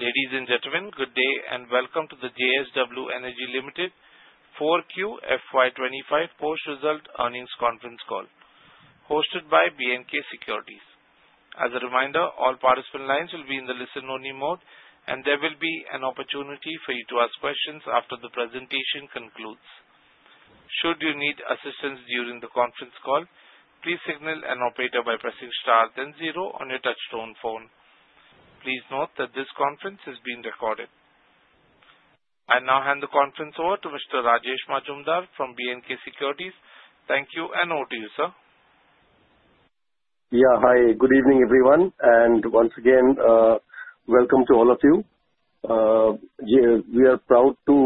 Ladies and gentlemen, good day and welcome to the JSW Energy Limited 4Q FY25 Post-Result Earnings Conference Call, hosted by B & K Securities. As a reminder, all participant lines will be in the listen-only mode, and there will be an opportunity for you to ask questions after the presentation concludes. Should you need assistance during the conference call, please signal an operator by pressing star then zero on your touch-tone phone. Please note that this conference is being recorded. I now hand the conference over to Mr. Rajesh Majumdar from B & K Securities. Thank you and over to you, sir. Yeah, hi, good evening everyone, and once again, welcome to all of you. We are proud to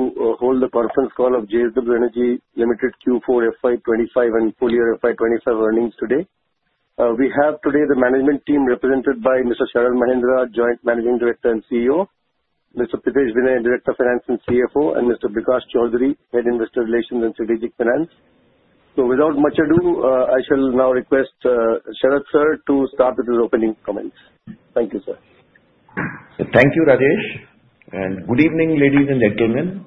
hold the conference call of JSW Energy Limited Q4 FY25 and full year FY25 earnings today. We have today the management team represented by Mr. Sharad Mahendra, Joint Managing Director and CEO, Mr. Pritesh Vinay, Director of Finance and CFO, and Mr. Prakash Chaudhary, Head of Investor Relations and Strategic Finance. Without much ado, I shall now request Sharad sir to start with his opening comments. Thank you, sir. Thank you, Rajesh, and good evening, ladies and gentlemen,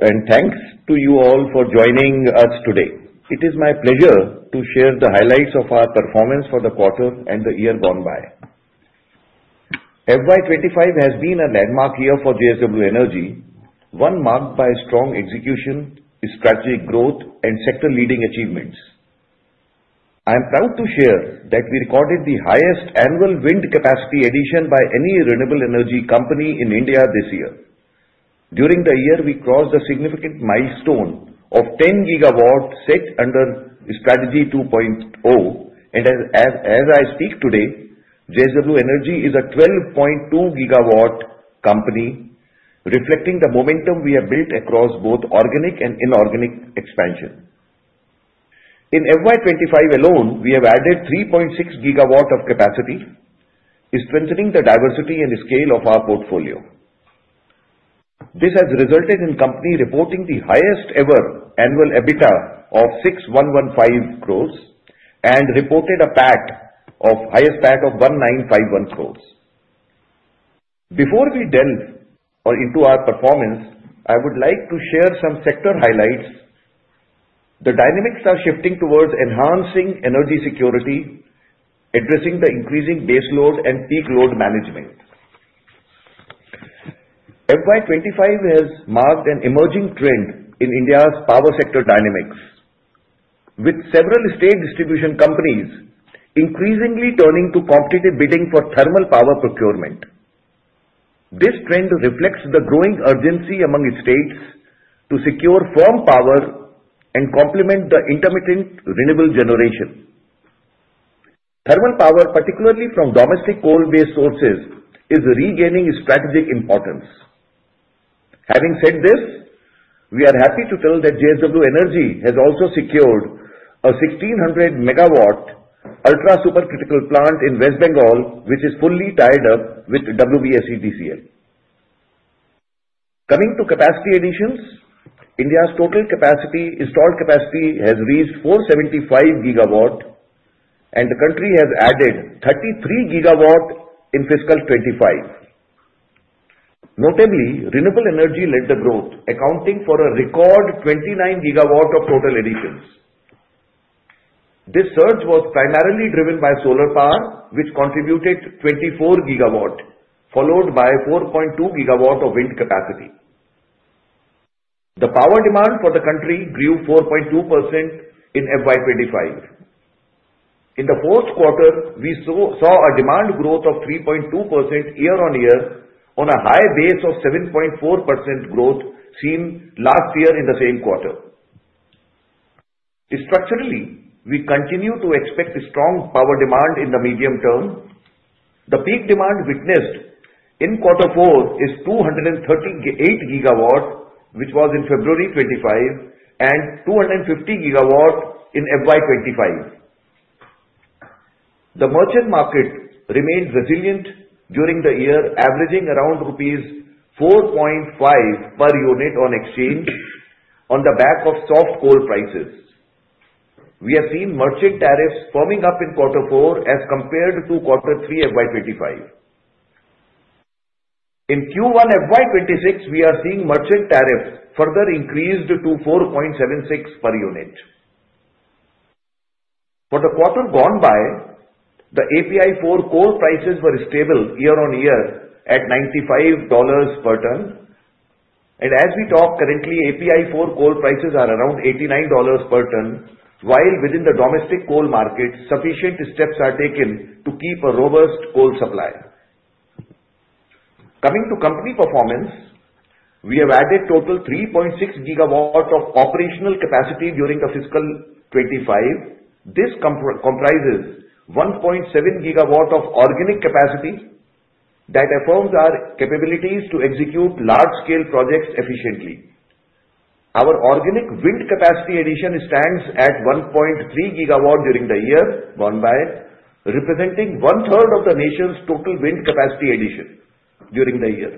and thanks to you all for joining us today. It is my pleasure to share the highlights of our performance for the quarter and the year gone by. FY25 has been a landmark year for JSW Energy, one marked by strong execution, strategic growth, and sector-leading achievements. I am proud to share that we recorded the highest annual wind capacity addition by any renewable energy company in India this year. During the year, we crossed a significant milestone of 10 GW set under Strategy 2.0, and as I speak today, JSW Energy is a 12.2 GW company, reflecting the momentum we have built across both organic and inorganic expansion. In FY25 alone, we have added 3.6 GW of capacity, strengthening the diversity and scale of our portfolio. This has resulted in the company reporting the highest ever annual EBITDA of 6,115 crore and reported a PAT of highest PAT of 1,951 crore. Before we delve into our performance, I would like to share some sector highlights. The dynamics are shifting towards enhancing energy security, addressing the increasing base load and peak load management. FY 2025 has marked an emerging trend in India's power sector dynamics, with several state distribution companies increasingly turning to competitive bidding for thermal power procurement. This trend reflects the growing urgency among states to secure firm power and complement the intermittent renewable generation. Thermal power, particularly from domestic coal-based sources, is regaining strategic importance. Having said this, we are happy to tell that JSW Energy has also secured a 1,600 MW ultra-supercritical plant in West Bengal, which is fully tied up with WBSEDCL. Coming to capacity additions, India's total installed capacity has reached 475 GW, and the country has added 33 GW in fiscal 2025. Notably, renewable energy led the growth, accounting for a record 29 GW of total additions. This surge was primarily driven by solar power, which contributed 24 GW, followed by 4.2 GW of wind capacity. The power demand for the country grew 4.2% in FY25. In the fourth quarter, we saw a demand growth of 3.2% year-on-year, on a high base of 7.4% growth seen last year in the same quarter. Structurally, we continue to expect strong power demand in the medium term. The peak demand witnessed in quarter four is 238 GW, which was in February 2025, and 250 GW in FY25. The merchant market remained resilient during the year, averaging around rupees 4.5 per unit on exchange on the back of soft coal prices. We have seen merchant tariffs firming up in quarter four as compared to quarter three FY2025. In Q1 FY2026, we are seeing merchant tariffs further increased to 4.76 per unit. For the quarter gone by, the API4 coal prices were stable year-on-year at $95 per ton, and as we talk currently, API4 coal prices are around $89 per ton, while within the domestic coal market, sufficient steps are taken to keep a robust coal supply. Coming to company performance, we have added a total of 3.6 GW of operational capacity during the fiscal 2025. This comprises 1.7 GW of organic capacity that affirms our capabilities to execute large-scale projects efficiently. Our organic wind capacity addition stands at 1.3 GW during the year gone by, representing one-third of the nation's total wind capacity addition during the year.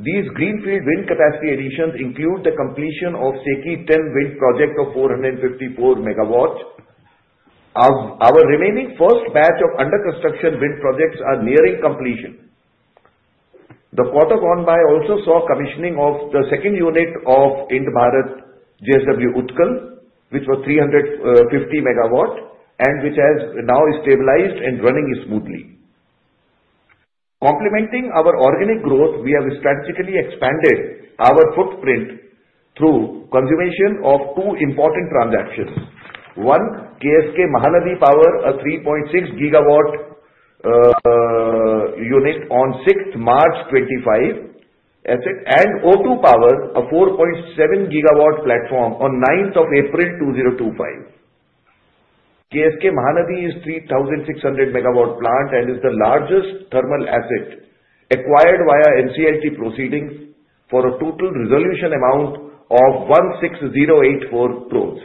These greenfield wind capacity additions include the completion of SEKI 10 wind project of 454 MW. Our remaining first batch of under-construction wind projects is nearing completion. The quarter gone by also saw commissioning of the second unit of Indbharat JSW Utkal, which was 350 MW and which has now stabilized and is running smoothly. Complementing our organic growth, we have strategically expanded our footprint through the consummation of two important transactions: one, KSK Mahanadi Power, a 3.6 GW unit on 6th March 2025, and O2 Power, a 4.7 GW platform on 9 April 2025. KSK Mahanadi is a 3,600 MW plant and is the largest thermal asset acquired via NCLT proceedings for a total resolution amount of 16,084 crore.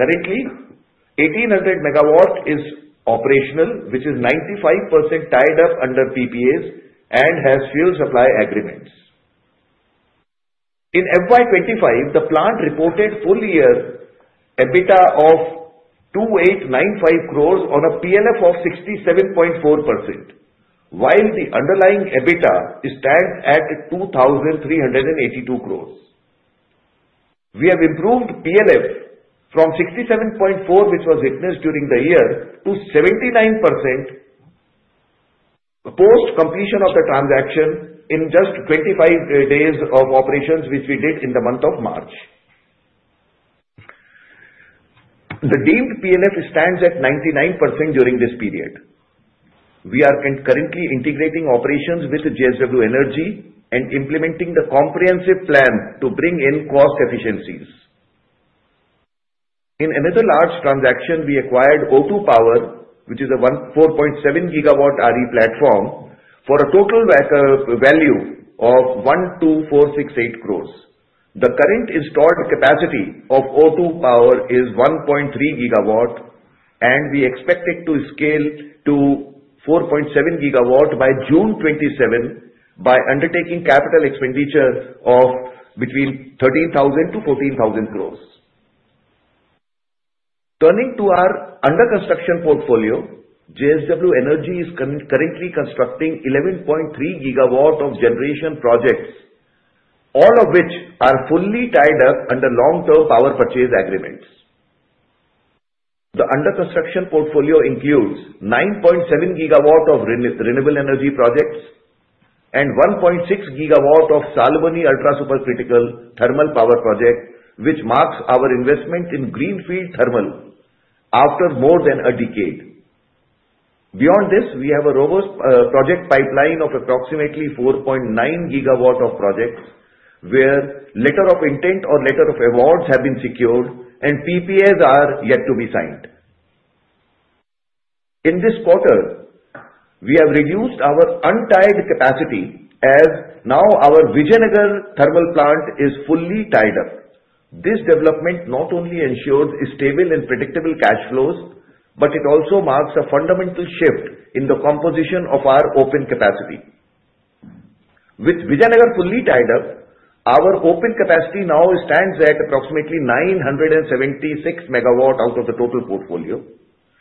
Currently, 1,800 MW is operational, which is 95% tied up under PPAs and has fuel supply agreements. In FY25, the plant reported full year EBITDA of 2,895 crore on a PLF of 67.4%, while the underlying EBITDA stands at 2,382 crore. We have improved PLF from 67.4%, which was witnessed during the year, to 79% post-completion of the transaction in just 25 days of operations, which we did in the month of March. The deemed PLF stands at 99% during this period. We are currently integrating operations with JSW Energy and implementing the comprehensive plan to bring in cost efficiencies. In another large transaction, we acquired O2 Power, which is a 4.7 GW RE platform for a total value of 12,468 crore. The current installed capacity of O2 Power is 1.3 GW, and we expect it to scale to 4.7 GW by June 2027 by undertaking capital expenditure of between 13,000- 14,000 crore. Turning to our under-construction portfolio, JSW Energy is currently constructing 11.3 GW of generation projects, all of which are fully tied up under long-term power purchase agreements. The under-construction portfolio includes 9.7 GW of renewable energy projects and 1.6 GW of Salboni ultra-supercritical thermal power project, which marks our investment in greenfield thermal after more than a decade. Beyond this, we have a robust project pipeline of approximately 4.9 GW of projects, where letters of intent or letters of awards have been secured, and PPAs are yet to be signed. In this quarter, we have reduced our untied capacity as now our Vijayanagar thermal plant is fully tied up. This development not only ensures stable and predictable cash flows, but it also marks a fundamental shift in the composition of our open capacity. With Vijayanagar fully tied up, our open capacity now stands at approximately 976 MW out of the total portfolio,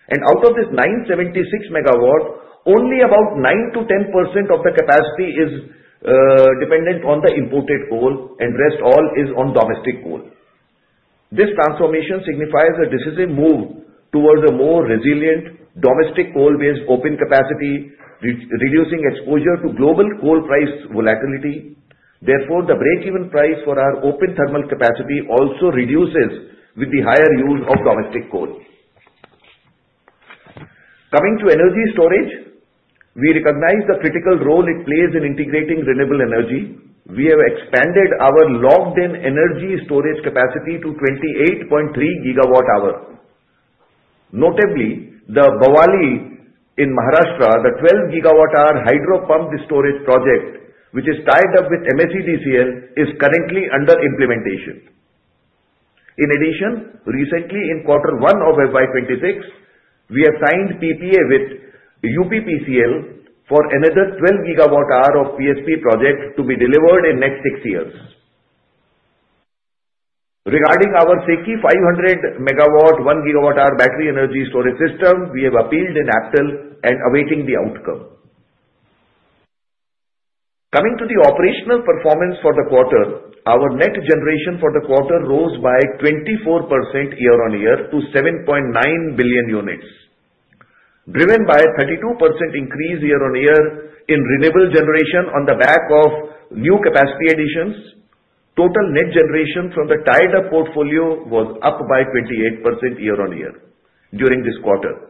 and out of this 976 MW, only about 9%-10% of the capacity is dependent on the imported coal, and the rest all is on domestic coal. This transformation signifies a decisive move towards a more resilient domestic coal-based open capacity, reducing exposure to global coal price volatility. Therefore, the break-even price for our open thermal capacity also reduces with the higher use of domestic coal. Coming to energy storage, we recognize the critical role it plays in integrating renewable energy. We have expanded our logged-in energy storage capacity to 28.3 GWh. Notably, the Bawali in Maharashtra, the 12 GWh hydro pump storage project, which is tied up with MSEDCL, is currently under implementation. In addition, recently, in quarter one of FY2026, we have signed PPA with UPPCL for another 12 GWh of PSP project to be delivered in the next six years. Regarding our SECI 500 MW, 1 GWh battery energy storage system, we have appealed in APTEL and are awaiting the outcome. Coming to the operational performance for the quarter, our net generation for the quarter rose by 24% year-on-year to 7.9 billion units, driven by a 32% increase year-on-year in renewable generation on the back of new capacity additions. Total net generation from the tied-up portfolio was up by 28% year-on-year during this quarter,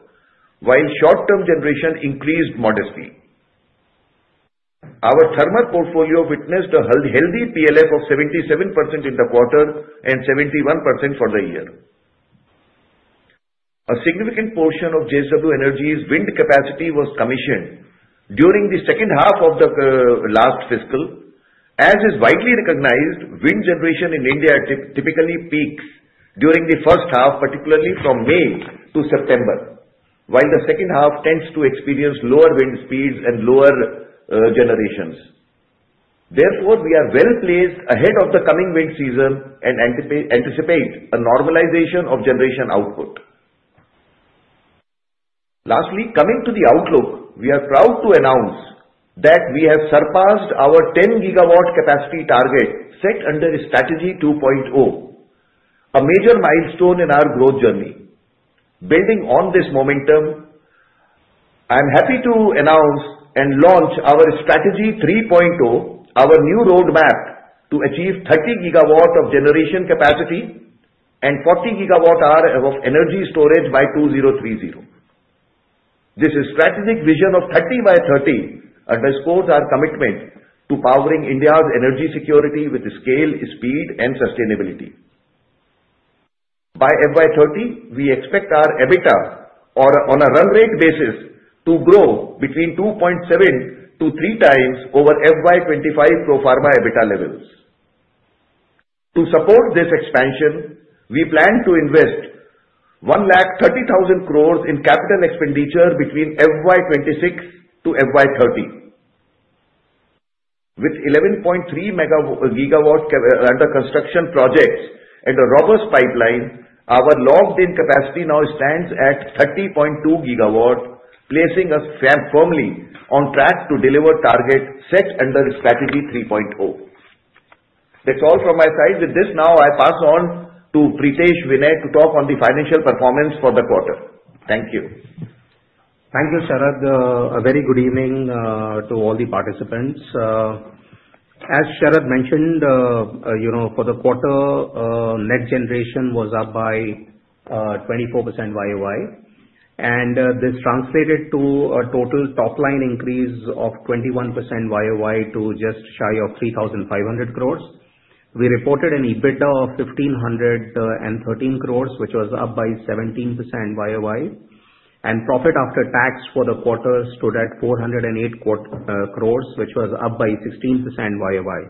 while short-term generation increased modestly. Our thermal portfolio witnessed a healthy PLF of 77% in the quarter and 71% for the year. A significant portion of JSW Energy's wind capacity was commissioned during the second half of the last fiscal. As is widely recognized, wind generation in India typically peaks during the first half, particularly from May to September, while the second half tends to experience lower wind speeds and lower generations. Therefore, we are well placed ahead of the coming wind season and anticipate a normalization of generation output. Lastly, coming to the outlook, we are proud to announce that we have surpassed our 10 GW capacity target set under Strategy 2.0, a major milestone in our growth journey. Building on this momentum, I am happy to announce and launch our Strategy 3.0, our new roadmap to achieve 30 GW of generation capacity and 40 GW of energy storage by 2030. This strategic vision of 30 by 30 underscores our commitment to powering India's energy security with scale, speed, and sustainability. By FY2030, we expect our EBITDA on a run-rate basis to grow between 2.7-3 times over FY2025 pro-forma EBITDA levels. To support this expansion, we plan to invest 130,000 crore in capital expenditure between FY2026 to FY2030. With 11.3 MW under-construction projects and a robust pipeline, our logged-in capacity now stands at 30.2 GW, placing us firmly on track to deliver target set under Strategy 3.0. That is all from my side. With this, now I pass on to Pritesh Vinay to talk on the financial performance for the quarter. Thank you. Thank you, Sharad. A very good evening to all the participants. As Sharad mentioned, for the quarter, net generation was up by 24% YOY, and this translated to a total top-line increase of 21% YoY to just shy of 3,500 crore. We reported an EBITDA of 1,513 crore, which was up by 17% YoY, and profit after tax for the quarter stood at 408 crore, which was up by 16% YoY.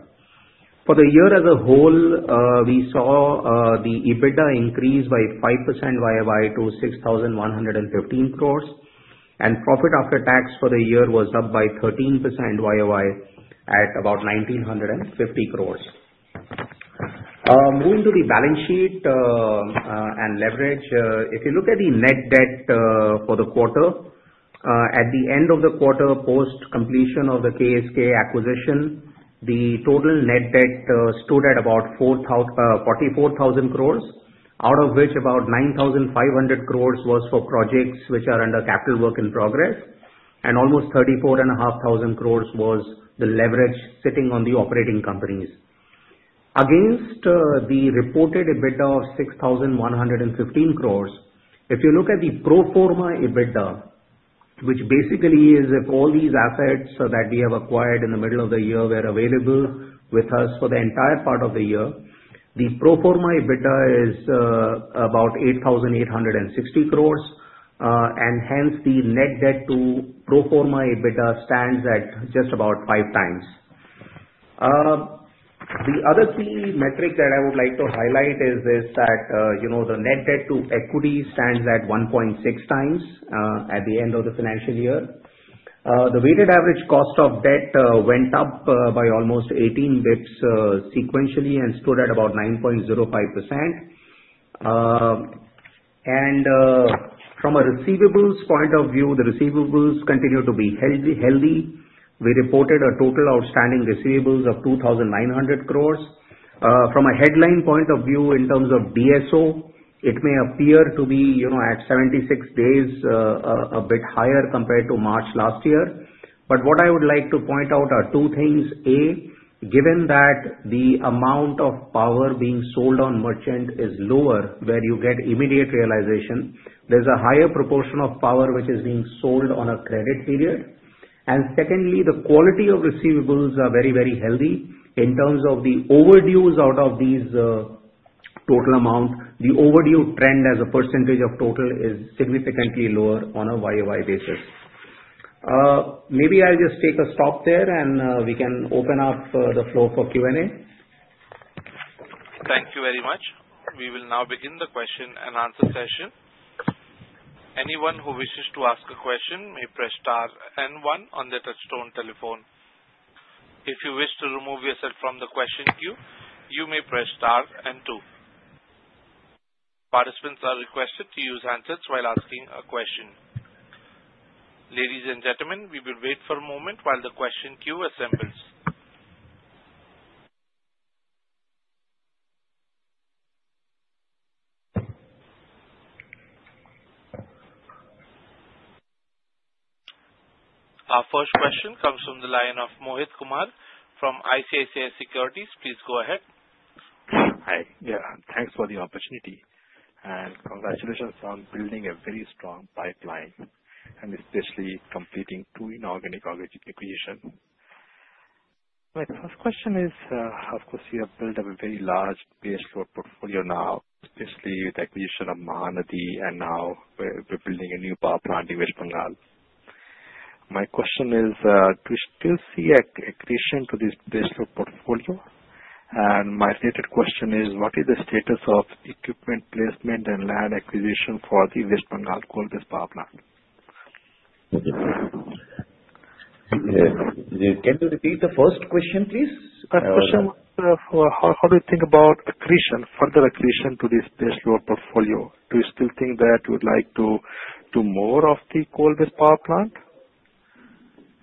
For the year as a whole, we saw the EBITDA increase by 5% YoY to 6,115 crore, and profit after tax for the year was up by 13% YoY at about 1,950 crore. Moving to the balance sheet and leverage, if you look at the net debt for the quarter, at the end of the quarter, post-completion of the KSK acquisition, the total net debt stood at about 44,000 crore, out of which about 9,500 crore was for projects which are under capital work in progress, and almost 34,500 crore was the leverage sitting on the operating companies. Against the reported EBITDA of 6,115 crore, if you look at the pro-forma EBITDA, which basically is all these assets that we have acquired in the middle of the year were available with us for the entire part of the year, the pro-forma EBITDA is about 8,860 crore, and hence the net debt to pro-forma EBITDA stands at just about five times. The other key metric that I would like to highlight is that the net debt to equity stands at 1.6 times at the end of the financial year. The weighted average cost of debt went up by almost 18 basis points sequentially and stood at about 9.05%. From a receivables point of view, the receivables continue to be healthy. We reported a total outstanding receivables of 2,900 crore. From a headline point of view, in terms of DSO, it may appear to be at 76 days, a bit higher compared to March last year. What I would like to point out are two things. A, given that the amount of power being sold on merchant is lower, where you get immediate realization, there's a higher proportion of power which is being sold on a credit period. Secondly, the quality of receivables is very, very healthy. In terms of the overdues out of these total amounts, the overdue trend as a percentage of total is significantly lower on a YoY basis. Maybe I'll just take a stop there, and we can open up the floor for Q&A. Thank you very much. We will now begin the question and answer session. Anyone who wishes to ask a question may press star and one on the touchstone telephone. If you wish to remove yourself from the question queue, you may press star and two. Participants are requested to use handsets while asking a question. Ladies and gentlemen, we will wait for a moment while the question queue assembles. Our first question comes from the line of Mohit Kumar from ICICI Securities. Please go ahead. Hi. Yeah, thanks for the opportunity. Congratulations on building a very strong pipeline, and especially completing two inorganic oxygen acquisitions. My first question is, of course, you have built up a very large baseload portfolio now, especially with the acquisition of KSK Mahanadi Power, and now we are building a new power plant in West Bengal. My question is, do we still see acquisition to this baseload portfolio? My stated question is, what is the status of equipment placement and land acquisition for the West Bengal coal-based power plant? Can you repeat the first question, please? First question was, how do you think about further acquisition to this baseload portfolio? Do you still think that you would like to do more of the coal-based power plant?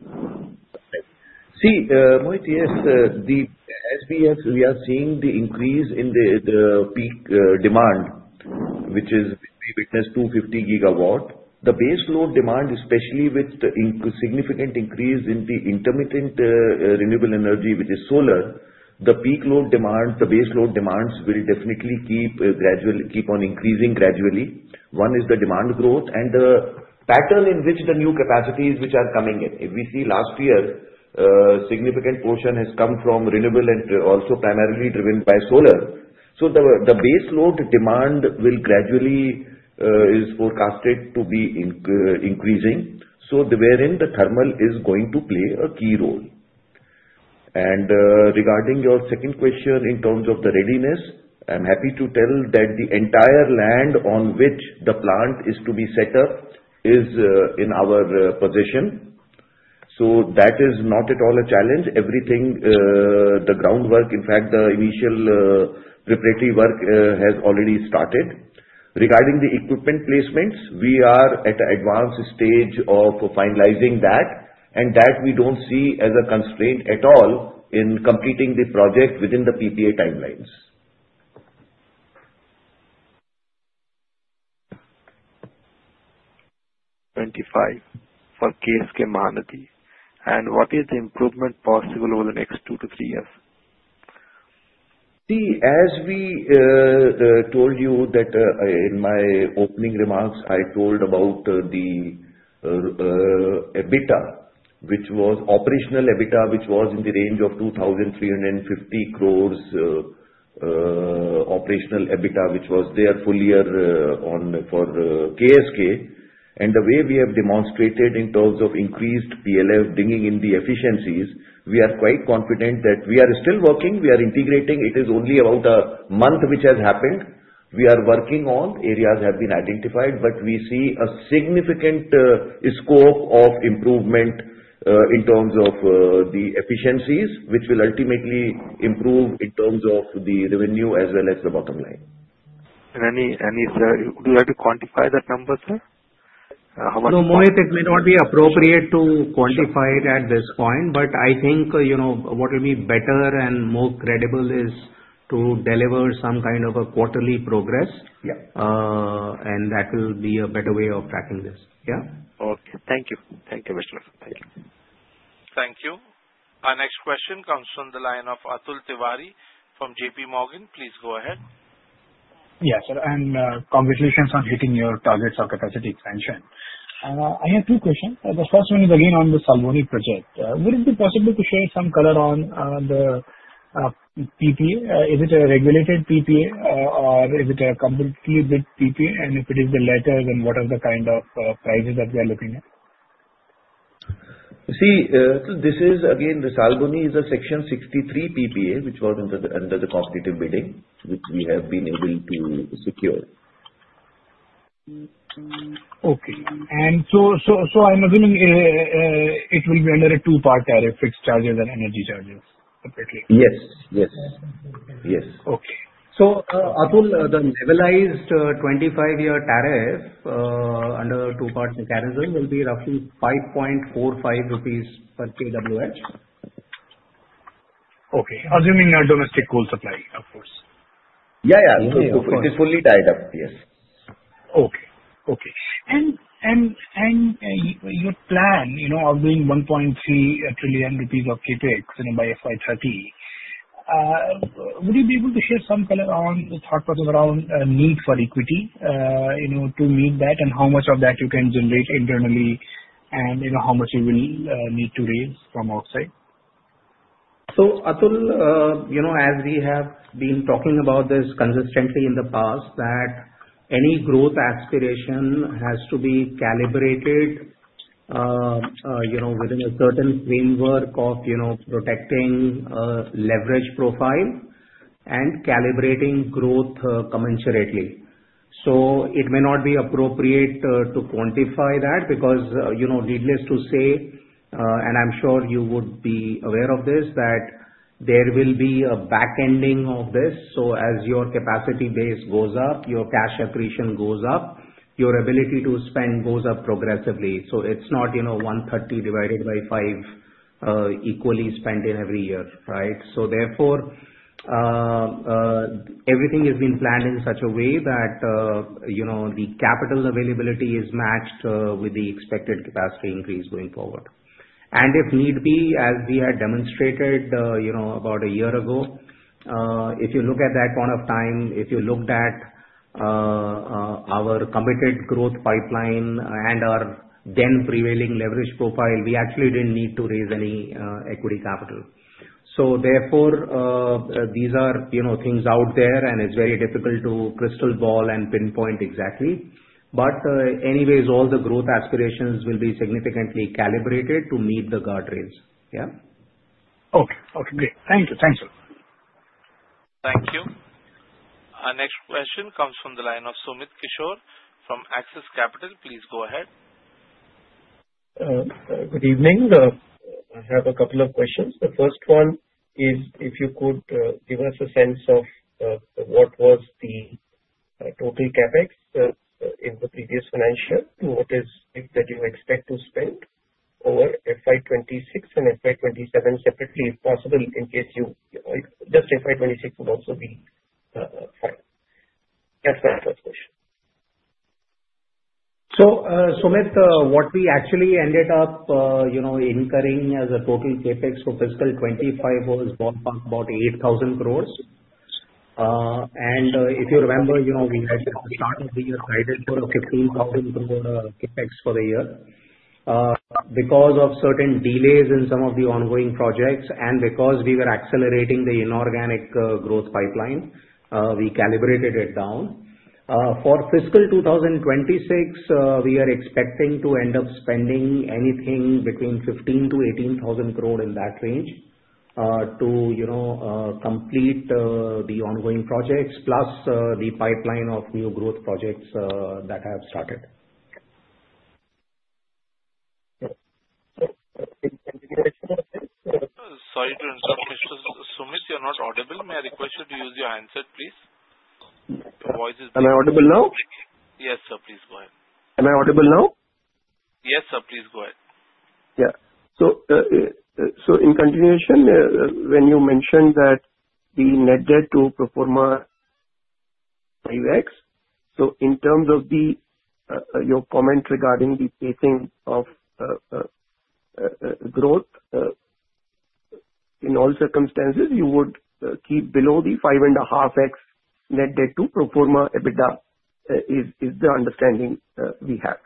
See, Mohit, yes. As we are seeing the increase in the peak demand, which is we witnessed 250 GW, the baseload demand, especially with the significant increase in the intermittent renewable energy, which is solar, the peak load demand, the baseload demands will definitely keep on increasing gradually. One is the demand growth and the pattern in which the new capacities which are coming in. If we see last year, a significant portion has come from renewable and also primarily driven by solar. The baseload demand will gradually is forecasted to be increasing. Wherein the thermal is going to play a key role. Regarding your second question in terms of the readiness, I'm happy to tell that the entire land on which the plant is to be set up is in our possession. That is not at all a challenge. Everything, the groundwork, in fact, the initial preparatory work has already started. Regarding the equipment placements, we are at an advanced stage of finalizing that, and we do not see that as a constraint at all in completing the project within the PPA timelines. Twenty-five for KSK Mahanadi. What is the improvement possible over the next two to three years? See, as we told you in my opening remarks, I told about the EBITDA, which was operational EBITDA, which was in the range of 2,350 crore, operational EBITDA which was there full year for KSK. The way we have demonstrated in terms of increased PLF, bringing in the efficiencies, we are quite confident that we are still working. We are integrating. It is only about a month which has happened. We are working on areas that have been identified, but we see a significant scope of improvement in terms of the efficiencies, which will ultimately improve in terms of the revenue as well as the bottom line. Do you like to quantify that number, sir? No, Mohit, it may not be appropriate to quantify it at this point, but I think what will be better and more credible is to deliver some kind of a quarterly progress, and that will be a better way of tracking this. Yeah? Okay. Thank you. Thank you, Mr. Thank you. Thank you. Our next question comes from the line of Atul Tiwari from JP Morgan. Please go ahead. Yes, sir. And congratulations on hitting your targets of capacity expansion. I have two questions. The first one is again on the Salboni project. Would it be possible to share some color on the PPA? Is it a regulated PPA, or is it a completely bid PPA? If it is the latter, then what are the kind of prices that we are looking at? See, this is again, the Salboni is a Section 63 PPA, which was under the competitive bidding, which we have been able to secure. Okay. I am assuming it will be under a two-part tariff, fixed charges and energy charges separately? Yes. Yes. Yes. Okay. Atul, the levelized 25-year tariff under two-part tariff will be roughly 5.45 rupees per kWh. Okay. Assuming domestic coal supply, of course. Yeah, yeah. It is fully tied up, yes. Okay. Okay. Your plan of doing 1.3 trillion rupees of CapEx by FY2030, would you be able to share some color on the thought process around need for equity to meet that, and how much of that you can generate internally, and how much you will need to raise from outside? Atul, as we have been talking about this consistently in the past, any growth aspiration has to be calibrated within a certain framework of protecting leverage profile and calibrating growth commensurately. It may not be appropriate to quantify that because, needless to say, and I am sure you would be aware of this, there will be a backending of this. As your capacity base goes up, your cash accretion goes up, your ability to spend goes up progressively. It is not 1.3 trillion divided by five equally spent in every year, right? Therefore, everything has been planned in such a way that the capital availability is matched with the expected capacity increase going forward. If need be, as we had demonstrated about a year ago, if you look at that point of time, if you looked at our committed growth pipeline and our then prevailing leverage profile, we actually did not need to raise any equity capital. These are things out there, and it is very difficult to crystal ball and pinpoint exactly. Anyways, all the growth aspirations will be significantly calibrated to meet the guardrails. Yeah? Okay. Okay. Great. Thank you. Thank you. Thank you. Our next question comes from the line of Sumit Kishore from Axis Capital. Please go ahead. Good evening. I have a couple of questions. The first one is, if you could give us a sense of what was the total CapEx in the previous financial year, what is it that you expect to spend over FY26 and FY27 separately, if possible, in case you just FY26 would also be fine. That's my first question. So Sumit, what we actually ended up incurring as a total CapEx for fiscal 2025 was about 8,000 crore. And if you remember, we had started the year guided for 15,000 crore CapEx for the year. Because of certain delays in some of the ongoing projects and because we were accelerating the inorganic growth pipeline, we calibrated it down. For fiscal 2026, we are expecting to end up spending anything between 15,000 crore-18,000 crore in that range to complete the ongoing projects, plus the pipeline of new growth projects that have started. Sorry to interrupt, Mr. Sumit, you're not audible. May I request you to use your handset, please? Am I audible now? Yes, sir. Please go ahead. Am I audible now? Yes, sir. Please go ahead. Yeah. In continuation, when you mentioned that the net debt to pro forma 5x, in terms of your comment regarding the pacing of growth, in all circumstances, you would keep below the 5.5x net debt to pro forma EBITDA is the understanding we have.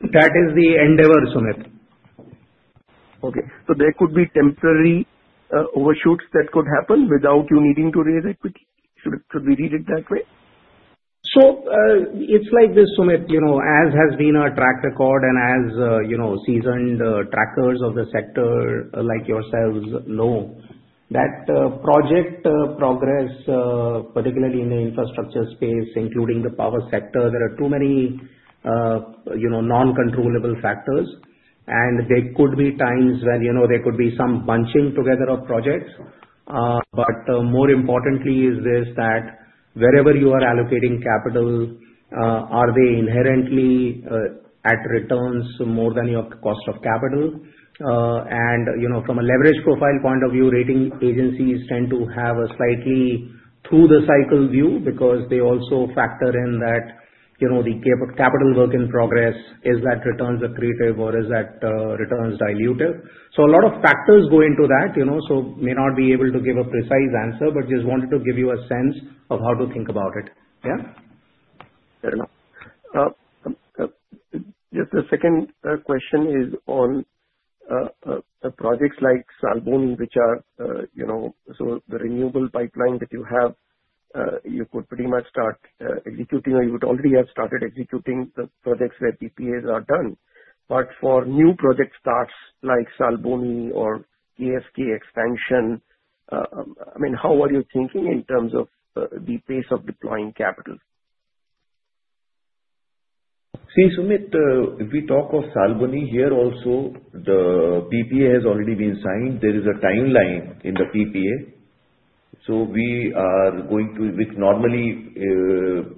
That is the endeavor, Sumit. Okay. There could be temporary overshoots that could happen without you needing to raise equity. Should we read it that way? It is like this, Sumit. As has been our track record and as seasoned trackers of the sector like yourselves know, project progress, particularly in the infrastructure space, including the power sector, there are too many non-controllable factors. There could be times when there could be some bunching together of projects. More importantly, is this: wherever you are allocating capital, are they inherently at returns more than your cost of capital? From a leverage profile point of view, rating agencies tend to have a slightly through-the-cycle view because they also factor in that the capital work in progress, is that returns accretive or is that returns dilutive? A lot of factors go into that. I may not be able to give a precise answer, but just wanted to give you a sense of how to think about it. Yeah? Fair enough. The second question is on projects like Salboni, which are—so the renewable pipeline that you have, you could pretty much start executing, or you would already have started executing the projects where PPAs are done. For new project starts like Salboni or ESK expansion, I mean, how are you thinking in terms of the pace of deploying capital? See, Sumit, if we talk of Salboni here, also the PPA has already been signed. There is a timeline in the PPA. We are going to, which normally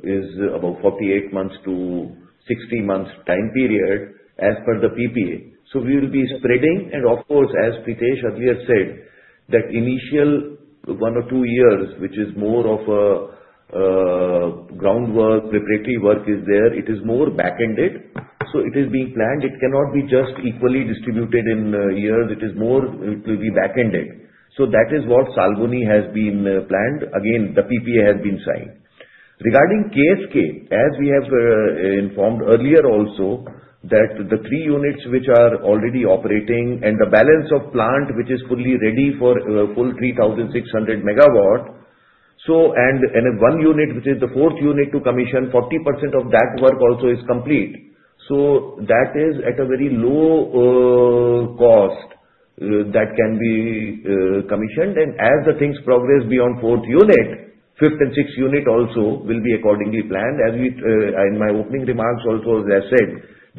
is about 48-60 months time period as per the PPA. We will be spreading. Of course, as Pritesh earlier said, that initial one or two years, which is more of groundwork, preparatory work is there, it is more backended. It is being planned. It cannot be just equally distributed in years. It is more it will be backended. That is what Salboni has been planned. Again, the PPA has been signed. Regarding KSK, as we have informed earlier also that the three units which are already operating and the balance of plant which is fully ready for full 3,600 MW, and one unit which is the fourth unit to commission, 40% of that work also is complete. That is at a very low cost that can be commissioned. As the things progress beyond fourth unit, fifth and sixth unit also will be accordingly planned. As in my opening remarks also as I said,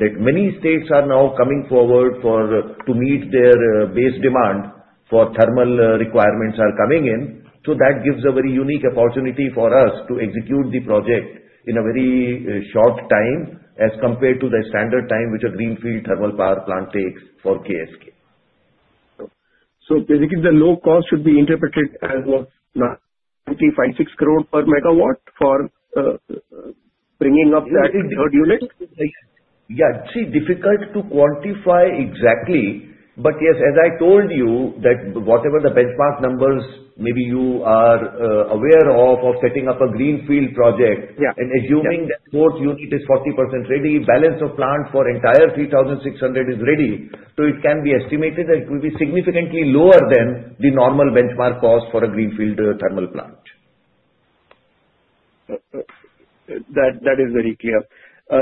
that many states are now coming forward to meet their base demand for thermal requirements are coming in. That gives a very unique opportunity for us to execute the project in a very short time as compared to the standard time which a greenfield thermal power plant takes for KSK. Basically, the low cost should be interpreted as 25,600 crore per MW for bringing up that third unit? Yeah. See, difficult to quantify exactly. But yes, as I told you that whatever the benchmark numbers may be, you are aware of setting up a greenfield project and assuming that fourth unit is 40% ready, balance of plant for entire 3,600 is ready. It can be estimated that it will be significantly lower than the normal benchmark cost for a greenfield thermal plant. That is very clear.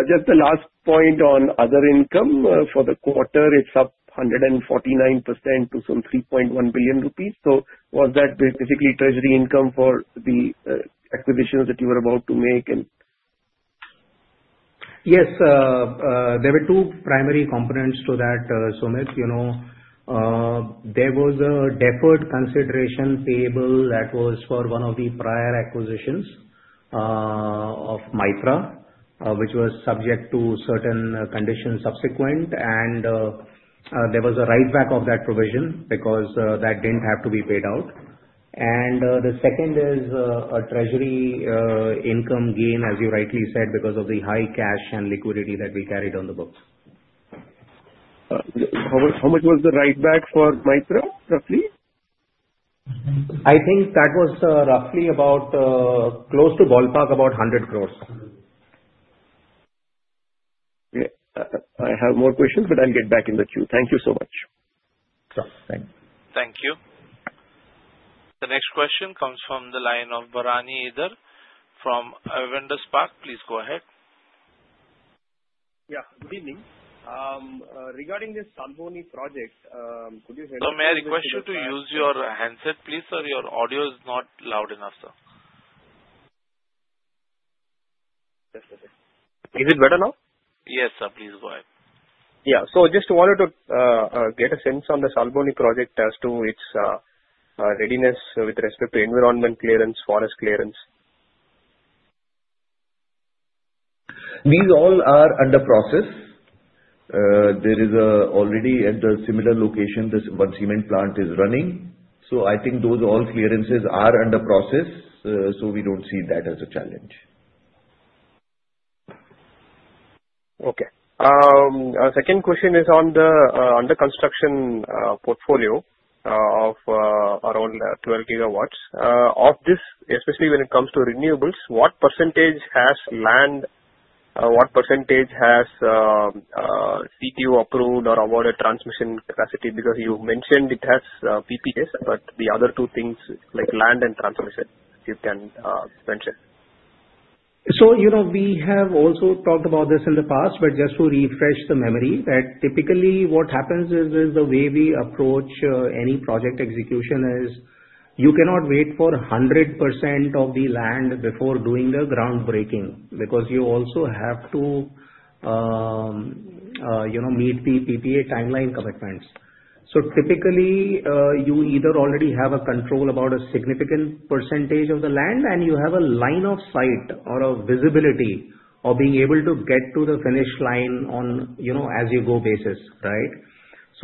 Just the last point on other income for the quarter, it is up 149% to some 3.1 billion rupees. Was that basically treasury income for the acquisitions that you were about to make? Yes. There were two primary components to that, Sumit. There was a deferred consideration payable that was for one of the prior acquisitions of Mithra, which was subject to certain conditions subsequent. There was a write-back of that provision because that did not have to be paid out. The second is a treasury income gain, as you rightly said, because of the high cash and liquidity that we carried on the books. How much was the write-back for Mithra, roughly? I think that was roughly about close to, ballpark, about 100 crore. I have more questions, but I'll get back in the queue. Thank you so much. Sure. Thank you. Thank you. The next question comes from the line of Barani Eder from Awendus Park. Please go ahead. Yeah. Good evening. Regarding this Salboni project, could you hear me? May I request you to use your handset, please, sir? Your audio is not loud enough, sir. Is it better now? Yes, sir. Please go ahead. Yeah. Just wanted to get a sense on the Salboni project as to its readiness with respect to environment clearance, forest clearance. These all are under process. There is already at the similar location this one cement plant is running. I think those all clearances are under process. We do not see that as a challenge. Okay. Our second question is on the under construction portfolio of around 12 GW. Of this, especially when it comes to renewables, what percentage has land? What percentage has CTO approved or awarded transmission capacity? Because you mentioned it has PPAs, but the other two things like land and transmission, if you can mention. We have also talked about this in the past, but just to refresh the memory, that typically what happens is the way we approach any project execution is you cannot wait for 100% of the land before doing the groundbreaking because you also have to meet the PPA timeline commitments. Typically, you either already have control of a significant percentage of the land, and you have a line of sight or a visibility of being able to get to the finish line on an as-you-go basis, right?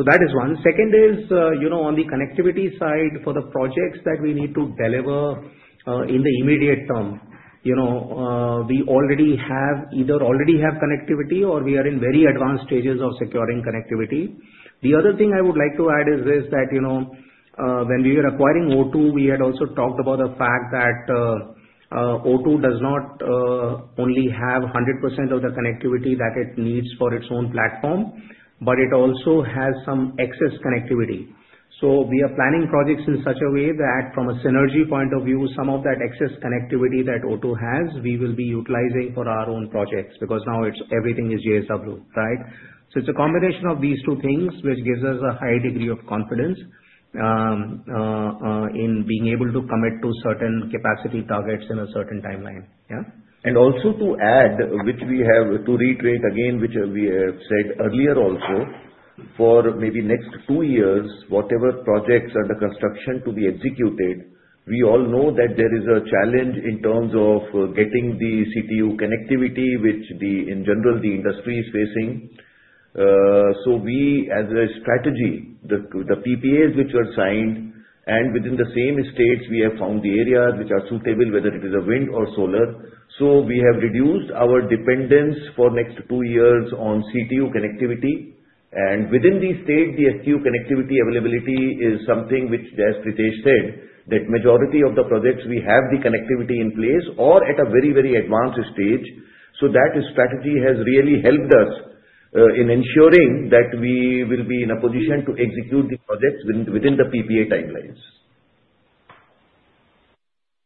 That is one. Second is on the connectivity side for the projects that we need to deliver in the immediate term. We already either have connectivity or we are in very advanced stages of securing connectivity. The other thing I would like to add is this that when we were acquiring O2, we had also talked about the fact that O2 does not only have 100% of the connectivity that it needs for its own platform, but it also has some excess connectivity. We are planning projects in such a way that from a synergy point of view, some of that excess connectivity that O2 has, we will be utilizing for our own projects because now everything is JSW, right? It is a combination of these two things which gives us a high degree of confidence in being able to commit to certain capacity targets in a certain timeline. Yeah? Also, to add, which we have to reiterate again, which we have said earlier also, for maybe the next two years, whatever projects are under construction to be executed, we all know that there is a challenge in terms of getting the CTU connectivity, which in general, the industry is facing. We, as a strategy, the PPAs which were signed and within the same states, we have found the areas which are suitable, whether it is wind or solar. We have reduced our dependence for the next two years on CTU connectivity. Within these states, the STU connectivity availability is something which, as Pritesh said, that the majority of the projects, we have the connectivity in place or at a very, very advanced stage. That strategy has really helped us in ensuring that we will be in a position to execute the projects within the PPA timelines.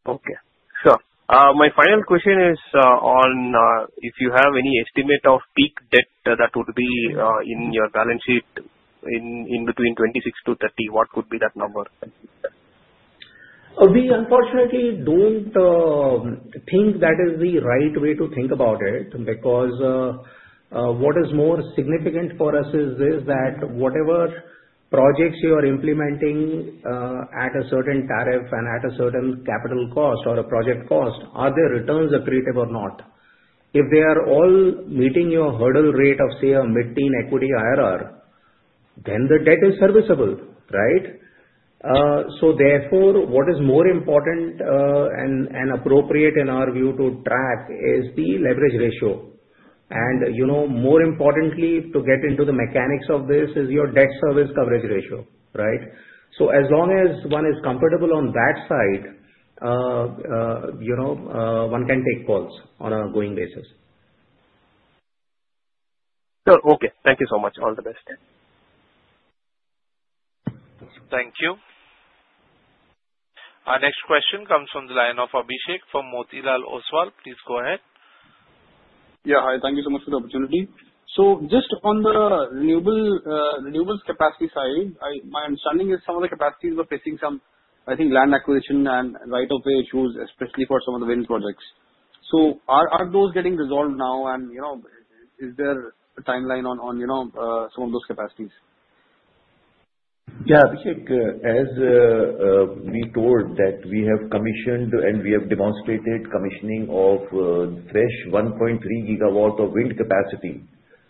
Okay. Sure. My final question is on if you have any estimate of peak debt that would be in your balance sheet in between 2026 to 2030, what would be that number? We unfortunately do not think that is the right way to think about it because what is more significant for us is this that whatever projects you are implementing at a certain tariff and at a certain capital cost or a project cost, are the returns accretive or not? If they are all meeting your hurdle rate of, say, a mid-teen equity IRR, then the debt is serviceable, right? Therefore, what is more important and appropriate in our view to track is the leverage ratio. More importantly, to get into the mechanics of this is your debt service coverage ratio, right? So as long as one is comfortable on that side, one can take calls on a going basis. Sure. Okay. Thank you so much. All the best. Thank you. Our next question comes from the line of Abhishek from Motilal Oswal. Please go ahead. Yeah. Hi. Thank you so much for the opportunity. Just on the renewables capacity side, my understanding is some of the capacities were facing some, I think, land acquisition and right-of-way issues, especially for some of the wind projects. Are those getting resolved now? Is there a timeline on some of those capacities? Yeah. Abhishek, as we told, we have commissioned and we have demonstrated commissioning of fresh 1.3 gigawatts of wind capacity,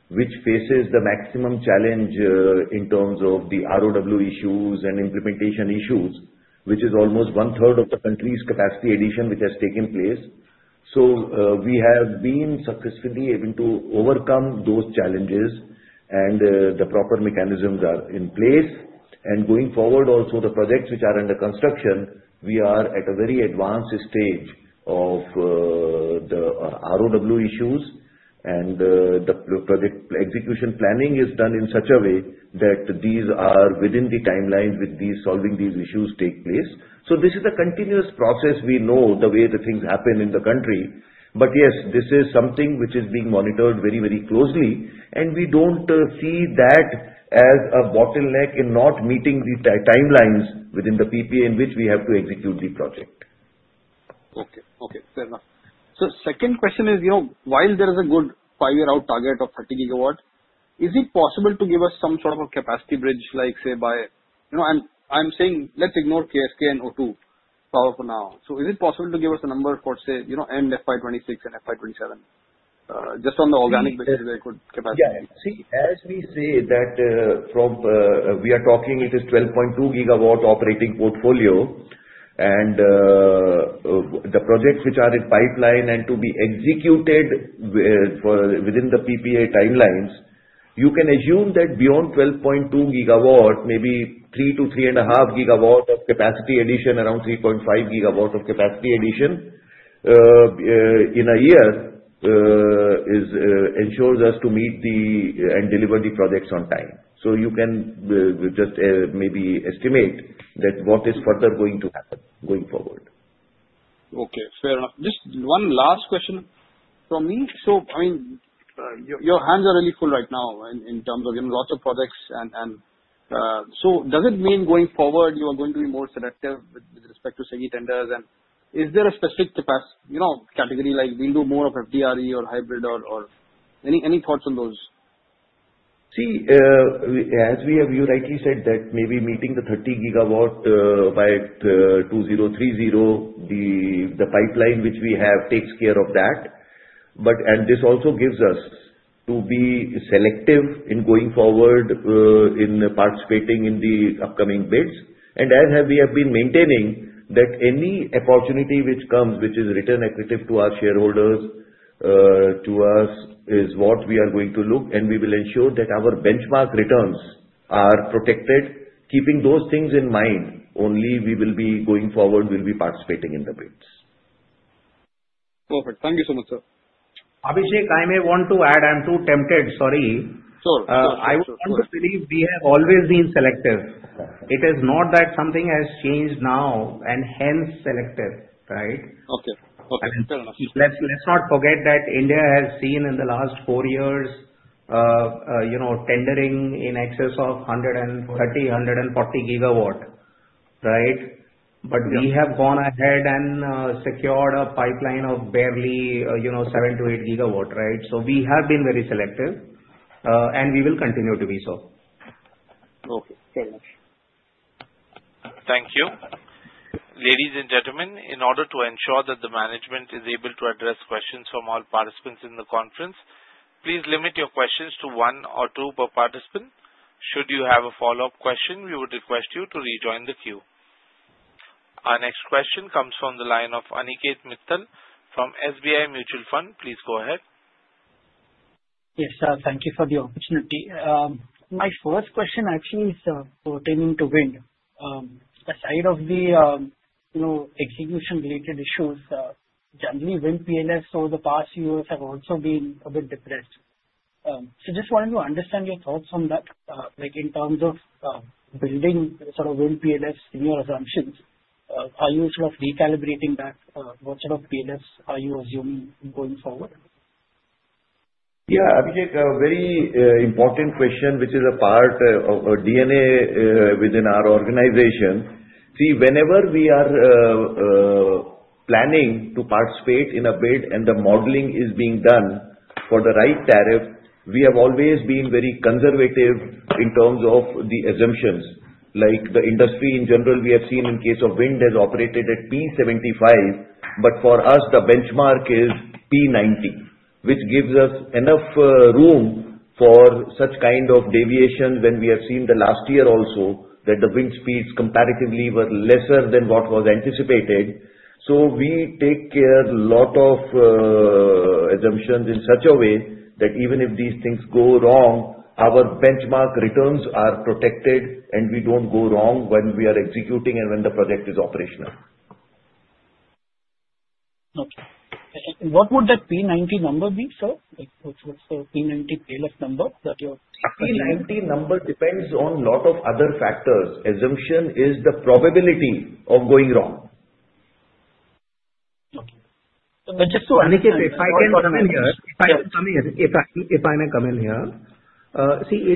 which faces the maximum challenge in terms of the ROW issues and implementation issues, which is almost one-third of the country's capacity addition which has taken place. We have been successfully able to overcome those challenges, and the proper mechanisms are in place. Going forward, also the projects which are under construction, we are at a very advanced stage of the ROW issues. The project execution planning is done in such a way that these are within the timelines with solving these issues take place. This is a continuous process. We know the way the things happen in the country. Yes, this is something which is being monitored very, very closely. We do not see that as a bottleneck in not meeting the timelines within the PPA in which we have to execute the project. Okay. Okay. Fair enough. Second question is, while there is a good five-year-out target of 30 GW, is it possible to give us some sort of a capacity bridge like, say, by—and I am saying, let's ignore KSK and O2 Power for now. Is it possible to give us a number for, say, end FY2026 and FY2027? Just on the organic basis, there could be capacity. Yeah. See, as we say that from we are talking, it is 12.2 GW operating portfolio. And the projects which are in pipeline and to be executed within the PPA timelines, you can assume that beyond 12.2 GW, maybe 3 GW-3.5 GW of capacity addition, around 3.5 GW of capacity addition in a year ensures us to meet and deliver the projects on time. You can just maybe estimate that what is further going to happen going forward. Okay. Fair enough. Just one last question from me. I mean, your hands are really full right now in terms of lots of projects. Does it mean going forward, you are going to be more selective with respect to semi-tenders? Is there a specific category like we'll do more of FDRE or hybrid or any thoughts on those? See, as you rightly said, that maybe meeting the 30 GW by 2030, the pipeline which we have takes care of that. This also gives us to be selective in going forward in participating in the upcoming bids. As we have been maintaining, any opportunity which comes, which is return accretive to our shareholders, to us, is what we are going to look. We will ensure that our benchmark returns are protected. Keeping those things in mind, only we will be going forward, we'll be participating in the bids. Perfect. Thank you so much, sir. Abhishek, I may want to add, I'm too tempted, sorry. Sure. Sure. I want to believe we have always been selective. It is not that something has changed now and hence selective, right? Okay. Okay. Fair enough. Let's not forget that India has seen in the last four years tendering in excess of 130 GW-140 GW, right? But we have gone ahead and secured a pipeline of barely 7 GW-8 GW, right? So we have been very selective, and we will continue to be so. Okay. Fair enough. Thank you. Ladies and gentlemen, in order to ensure that the management is able to address questions from all participants in the conference, please limit your questions to one or two per participant. Should you have a follow-up question, we would request you to rejoin the queue. Our next question comes from the line of Aniket Mittal from SBI Mutual Fund. Please go ahead. Yes, sir. Thank you for the opportunity. My first question actually is pertaining to wind. Aside of the execution-related issues, generally, wind PLFs over the past few years have also been a bit depressed. So just wanted to understand your thoughts on that in terms of building sort of wind PLFs in your assumptions. Are you sort of recalibrating that? What sort of PLFs are you assuming going forward? Yeah. Abhishek, a very important question, which is a part of DNA within our organization. See, whenever we are planning to participate in a bid and the modeling is being done for the right tariff, we have always been very conservative in terms of the assumptions. Like the industry in general, we have seen in case of wind has operated at P75, but for us, the benchmark is P90, which gives us enough room for such kind of deviation when we have seen the last year also that the wind speeds comparatively were lesser than what was anticipated. We take care a lot of assumptions in such a way that even if these things go wrong, our benchmark returns are protected, and we do not go wrong when we are executing and when the project is operational. Okay. What would that P90 number be, sir? What is the P90 PLF number that you are— P90 number depends on a lot of other factors. Assumption is the probability of going wrong. Okay. Just to— Aniket, if I can come in here— if I may come in here. See,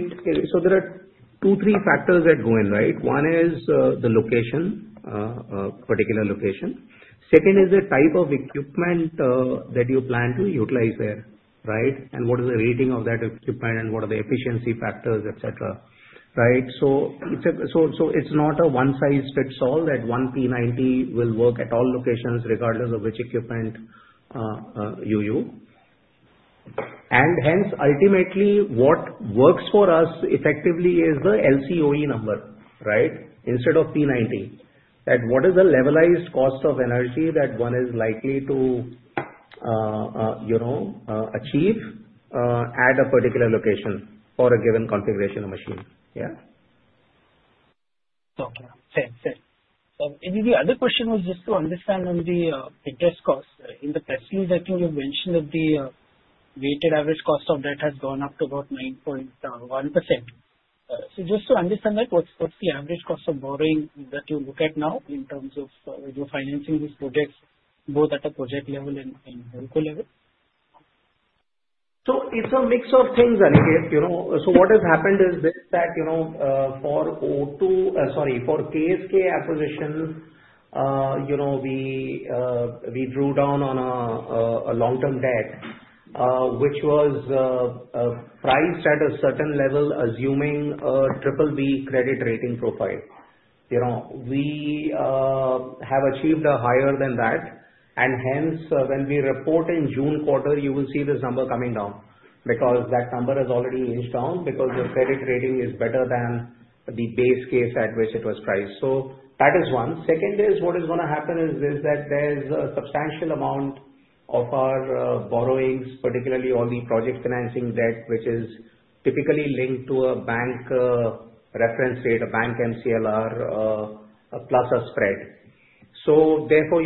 there are two, three factors that go in, right? One is the location, a particular location. Second is the type of equipment that you plan to utilize there, right? What is the rating of that equipment, and what are the efficiency factors, etc., right? It's not a one-size-fits-all that one P90 will work at all locations regardless of which equipment you use. Hence, ultimately, what works for us effectively is the LCOE number, right, instead of P90. That is, what is the levelized cost of energy that one is likely to achieve at a particular location for a given configuration of machine? Yeah? Okay. Fair. Fair. The other question was just to understand on the interest cost. In the press release, I think you've mentioned that the weighted average cost of that has gone up to about 9.1%. Just to understand that, what's the average cost of borrowing that you look at now in terms of financing these projects, both at a project level and local level? It's a mix of things, Aniket. What has happened is this: for O2—sorry, for KSK acquisition, we drew down on a long-term debt, which was priced at a certain level, assuming a BBB credit rating profile. We have achieved a higher than that, and hence, when we report in June quarter, you will see this number coming down because that number has already inched down because the credit rating is better than the base case at which it was priced. That is one. Second is what is going to happen is this that there's a substantial amount of our borrowings, particularly all the project financing debt, which is typically linked to a bank reference rate, a bank MCLR, plus a spread. Therefore,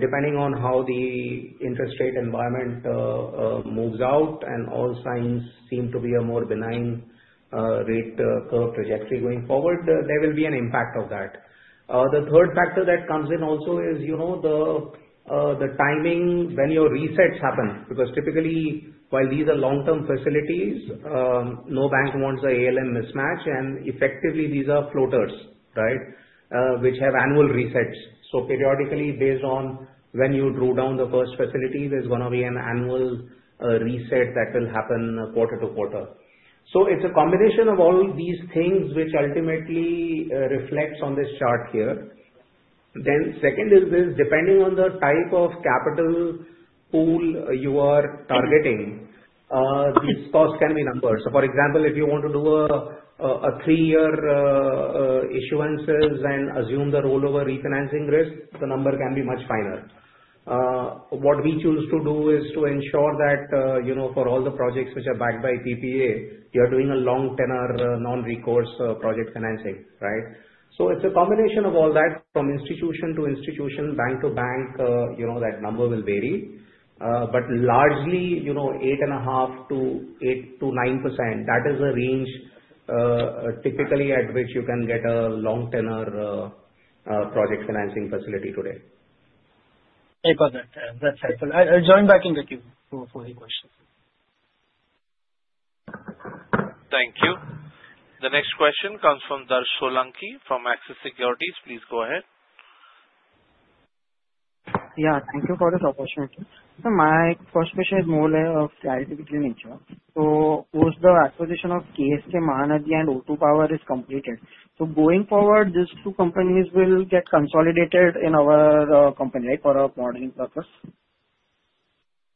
depending on how the interest rate environment moves out and all signs seem to be a more benign rate curve trajectory going forward, there will be an impact of that. The third factor that comes in also is the timing when your resets happen because typically, while these are long-term facilities, no bank wants an ALM mismatch. Effectively, these are floaters, right, which have annual resets. Periodically, based on when you drew down the first facility, there's going to be an annual reset that will happen quarter to quarter. It's a combination of all these things which ultimately reflects on this chart here. Second is this, depending on the type of capital pool you are targeting, these costs can be numbered. For example, if you want to do a three-year issuances and assume the rollover refinancing risk, the number can be much finer. What we choose to do is to ensure that for all the projects which are backed by PPA, you are doing a long-tenor, non-recourse project financing, right? It is a combination of all that from institution to institution, bank to bank. That number will vary, but largely, 8.5%-9%. That is a range typically at which you can get a long-tenor project financing facility today. Okay. Perfect. That is helpful. I will join back in with you for the questions. Thank you. The next question comes from Darsh Solanki from Axis Securities. Please go ahead. Yeah. Thank you for this opportunity. My first question is more of clarity between each of. Was the acquisition of KSK Mahanadi and O2 Power completed? Going forward, these two companies will get consolidated in our company, right, for a modeling purpose?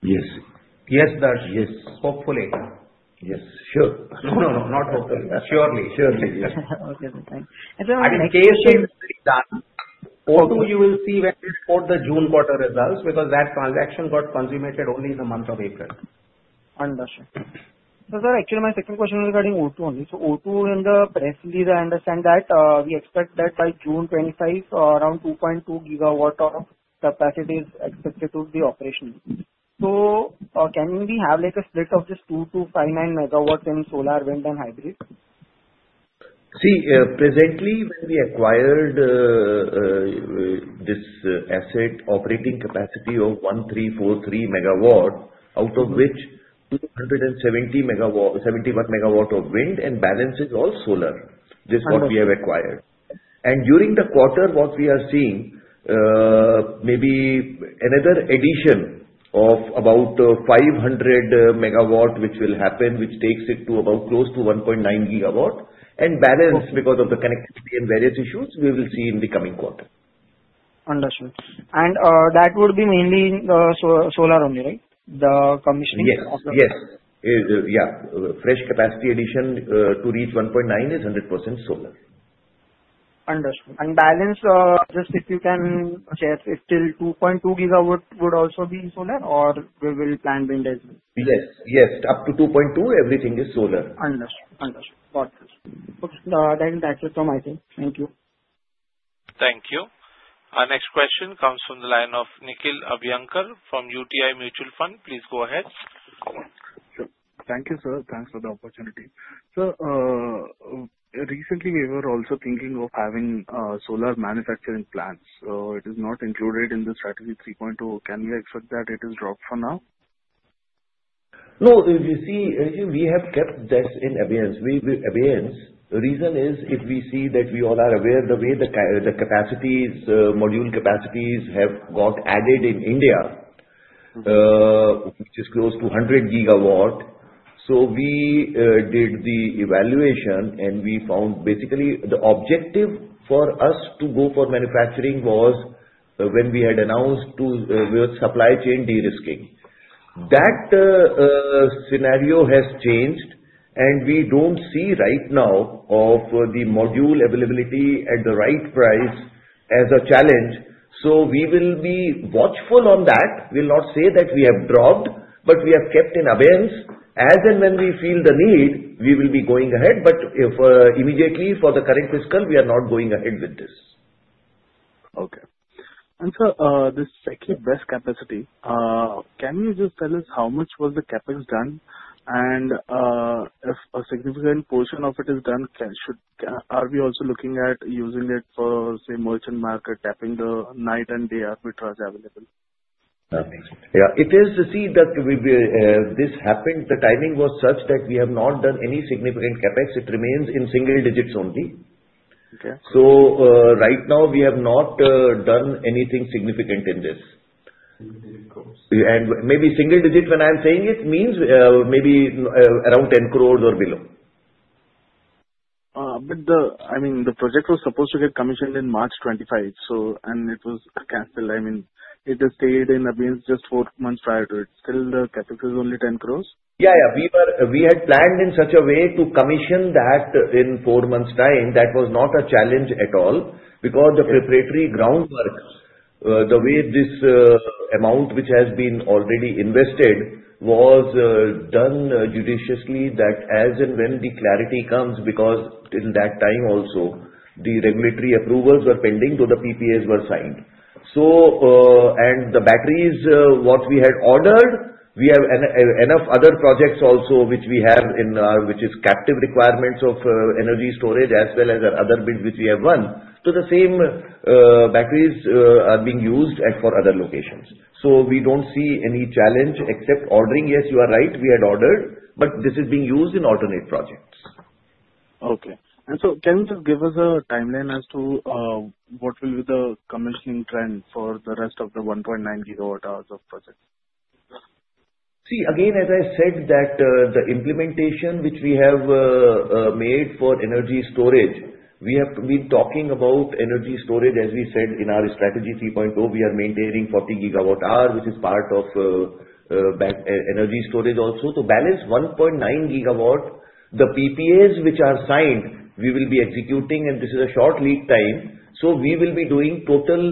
Yes. Yes, Darsh. Yes. Hopefully. Yes. Sure. No, no, no. Not hopefully. Surely. Surely. Yes. Okay. Thanks. KSK will be done. O2, you will see when we report the June quarter results because that transaction got consummated only in the month of April. Understood. Sir, actually, my second question is regarding O2 only. O2 in the press release, I understand that we expect that by June 2025, around 2.2 GW of capacity is expected to be operational. Can we have a split of just 259 megawatts in solar, wind, and hybrid? See, presently, when we acquired this asset, operating capacity of 1,343 MW, out of which 271 MW of wind and balance is all solar, this is what we have acquired. During the quarter, what we are seeing, maybe another addition of about 500 MW which will happen, which takes it to close to 1.9 MW, and balance because of the connectivity and various issues we will see in the coming quarter. Understood. That would be mainly solar only, right? The commissioning of the— Yes. Yes. Yeah. Fresh capacity addition to reach 1.9 is 100% solar. Understood. Balance, just if you can share, still 2.2 GW would also be solar, or we will plan wind as well? Yes. Yes. Up to 2.2, everything is solar. Understood. Understood. Got it. Okay. That is the answer from my side. Thank you. Thank you. Our next question comes from the line of Nikhil Abhyankar from UTI Mutual Fund. Please go ahead. Sure. Thank you, sir. Thanks for the opportunity. Sir, recently, we were also thinking of having solar manufacturing plants. So it is not included in the Strategy 3.0. Can we expect that it is dropped for now? No. You see, we have kept this in abeyance. The reason is if we see that we all are aware, the way the capacities, module capacities have got added in India, which is close to 100 GW. So we did the evaluation, and we found basically the objective for us to go for manufacturing was when we had announced with supply chain de-risking. That scenario has changed, and we do not see right now of the module availability at the right price as a challenge. We will be watchful on that. We'll not say that we have dropped, but we have kept in abeyance. As and when we feel the need, we will be going ahead. Immediately for the current fiscal, we are not going ahead with this. Okay. Sir, the second BESS capacity, can you just tell us how much was the CapEx done? If a significant portion of it is done, are we also looking at using it for, say, merchant market, tapping the night and day arbitrage available? Yeah. It is to see that this happened. The timing was such that we have not done any significant CapEx. It remains in single digits only. Right now, we have not done anything significant in this. Maybe single digit, when I'm saying it, means maybe around 10 crore or below. I mean, the project was supposed to get commissioned in March 2025, and it was canceled. I mean, it has stayed in abeyance just four months prior to it. Still, the CapEx is only 10 crore? Yeah. Yeah. We had planned in such a way to commission that in four months' time. That was not a challenge at all because the preparatory groundwork, the way this amount which has been already invested was done judiciously that as and when the clarity comes because till that time also, the regulatory approvals were pending, the PPAs were signed. And the batteries, what we had ordered, we have enough other projects also which we have in which is captive requirements of energy storage as well as other bids which we have won. The same batteries are being used for other locations. We do not see any challenge except ordering. Yes, you are right. We had ordered, but this is being used in alternate projects. Okay. Can you just give us a timeline as to what will be the commissioning trend for the rest of the 1.9 gigawatt hours of projects? See, again, as I said, the implementation which we have made for energy storage, we have been talking about energy storage as we said in our Strategy 3.0. We are maintaining 40 GWh, which is part of energy storage also. To balance 1.9 GW, the PPAs which are signed, we will be executing, and this is a short lead time. We will be doing total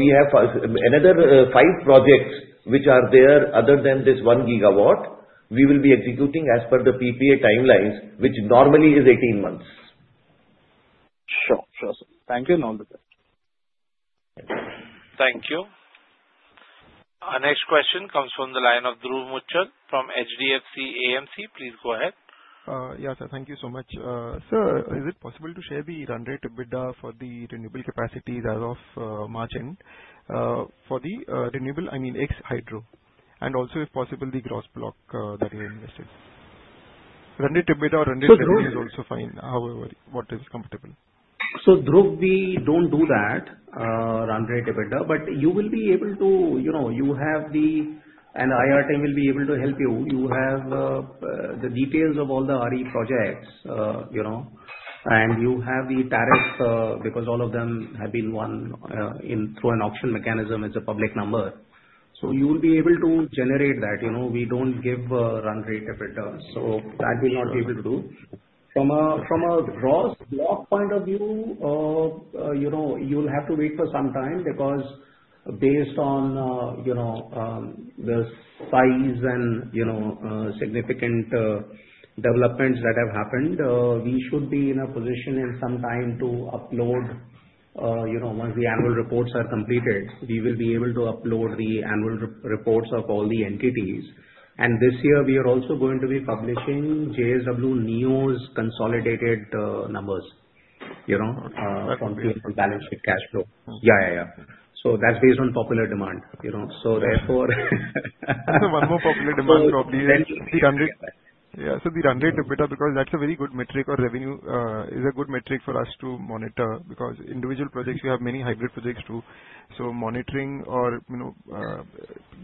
we have another five projects which are there other than this one gigawatt. We will be executing as per the PPA timelines, which normally is 18 months. Sure. Sure. Thank you and all the best. Thank you. Our next question comes from the line of Dhruv Muchal from HDFC AMC. Please go ahead. Yeah, sir. Thank you so much. Sir, is it possible to share the run rate EBITDA for the renewable capacity as of March end for the renewable, I mean, ex-hydro? And also, if possible, the gross block that you invested. Run rate EBITDA or run rate EBITDA is also fine. However, what is comfortable? So Dhruv, we do not do that run rate EBITDA, but you will be able to, you have the, and IR team will be able to help you. You have the details of all the RE projects, and you have the tariff because all of them have been won through an auction mechanism. It is a public number. You will be able to generate that. We do not give run rate EBITDA. That we will not be able to do. From a gross block point of view, you'll have to wait for some time because based on the size and significant developments that have happened, we should be in a position in some time to upload once the annual reports are completed. We will be able to upload the annual reports of all the entities. This year, we are also going to be publishing JSW NEO's consolidated numbers from the balance sheet cash flow. Yeah. Yeah. Yeah. That is based on popular demand. One more popular demand probably is the run rate EBITDA because that is a very good metric or revenue is a good metric for us to monitor because individual projects, you have many hybrid projects too. Monitoring or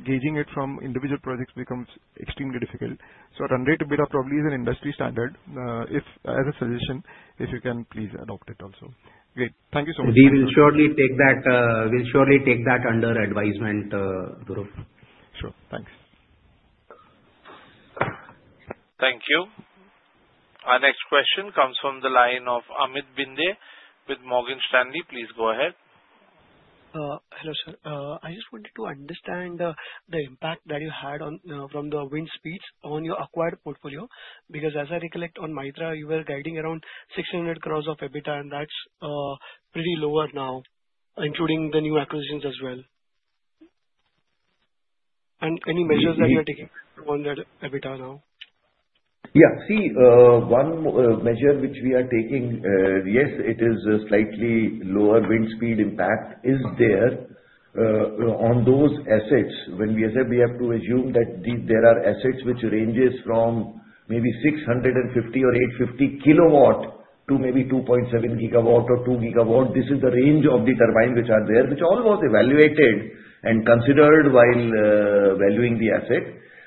gauging it from individual projects becomes extremely difficult. Run rate EBITDA probably is an industry standard. As a suggestion, if you can, please adopt it also. Great. Thank you so much. We will surely take that. We'll surely take that under advisement, Dhruv. Sure. Thanks. Thank you. Our next question comes from the line of Amit Binde with Morgan Stanley. Please go ahead. Hello, sir. I just wanted to understand the impact that you had from the wind speeds on your acquired portfolio because as I recollect on Mahindra, you were guiding around 600 crore of EBITDA, and that's pretty lower now, including the new acquisitions as well. Any measures that you are taking on that EBITDA now? Yeah. See, one measure which we are taking, yes, it is slightly lower wind speed impact is there on those assets. When we say we have to assume that there are assets which range from maybe 650 kW or 850 kW to maybe 2.7 GW or 2 GW, this is the range of the turbines which are there, which all was evaluated and considered while valuing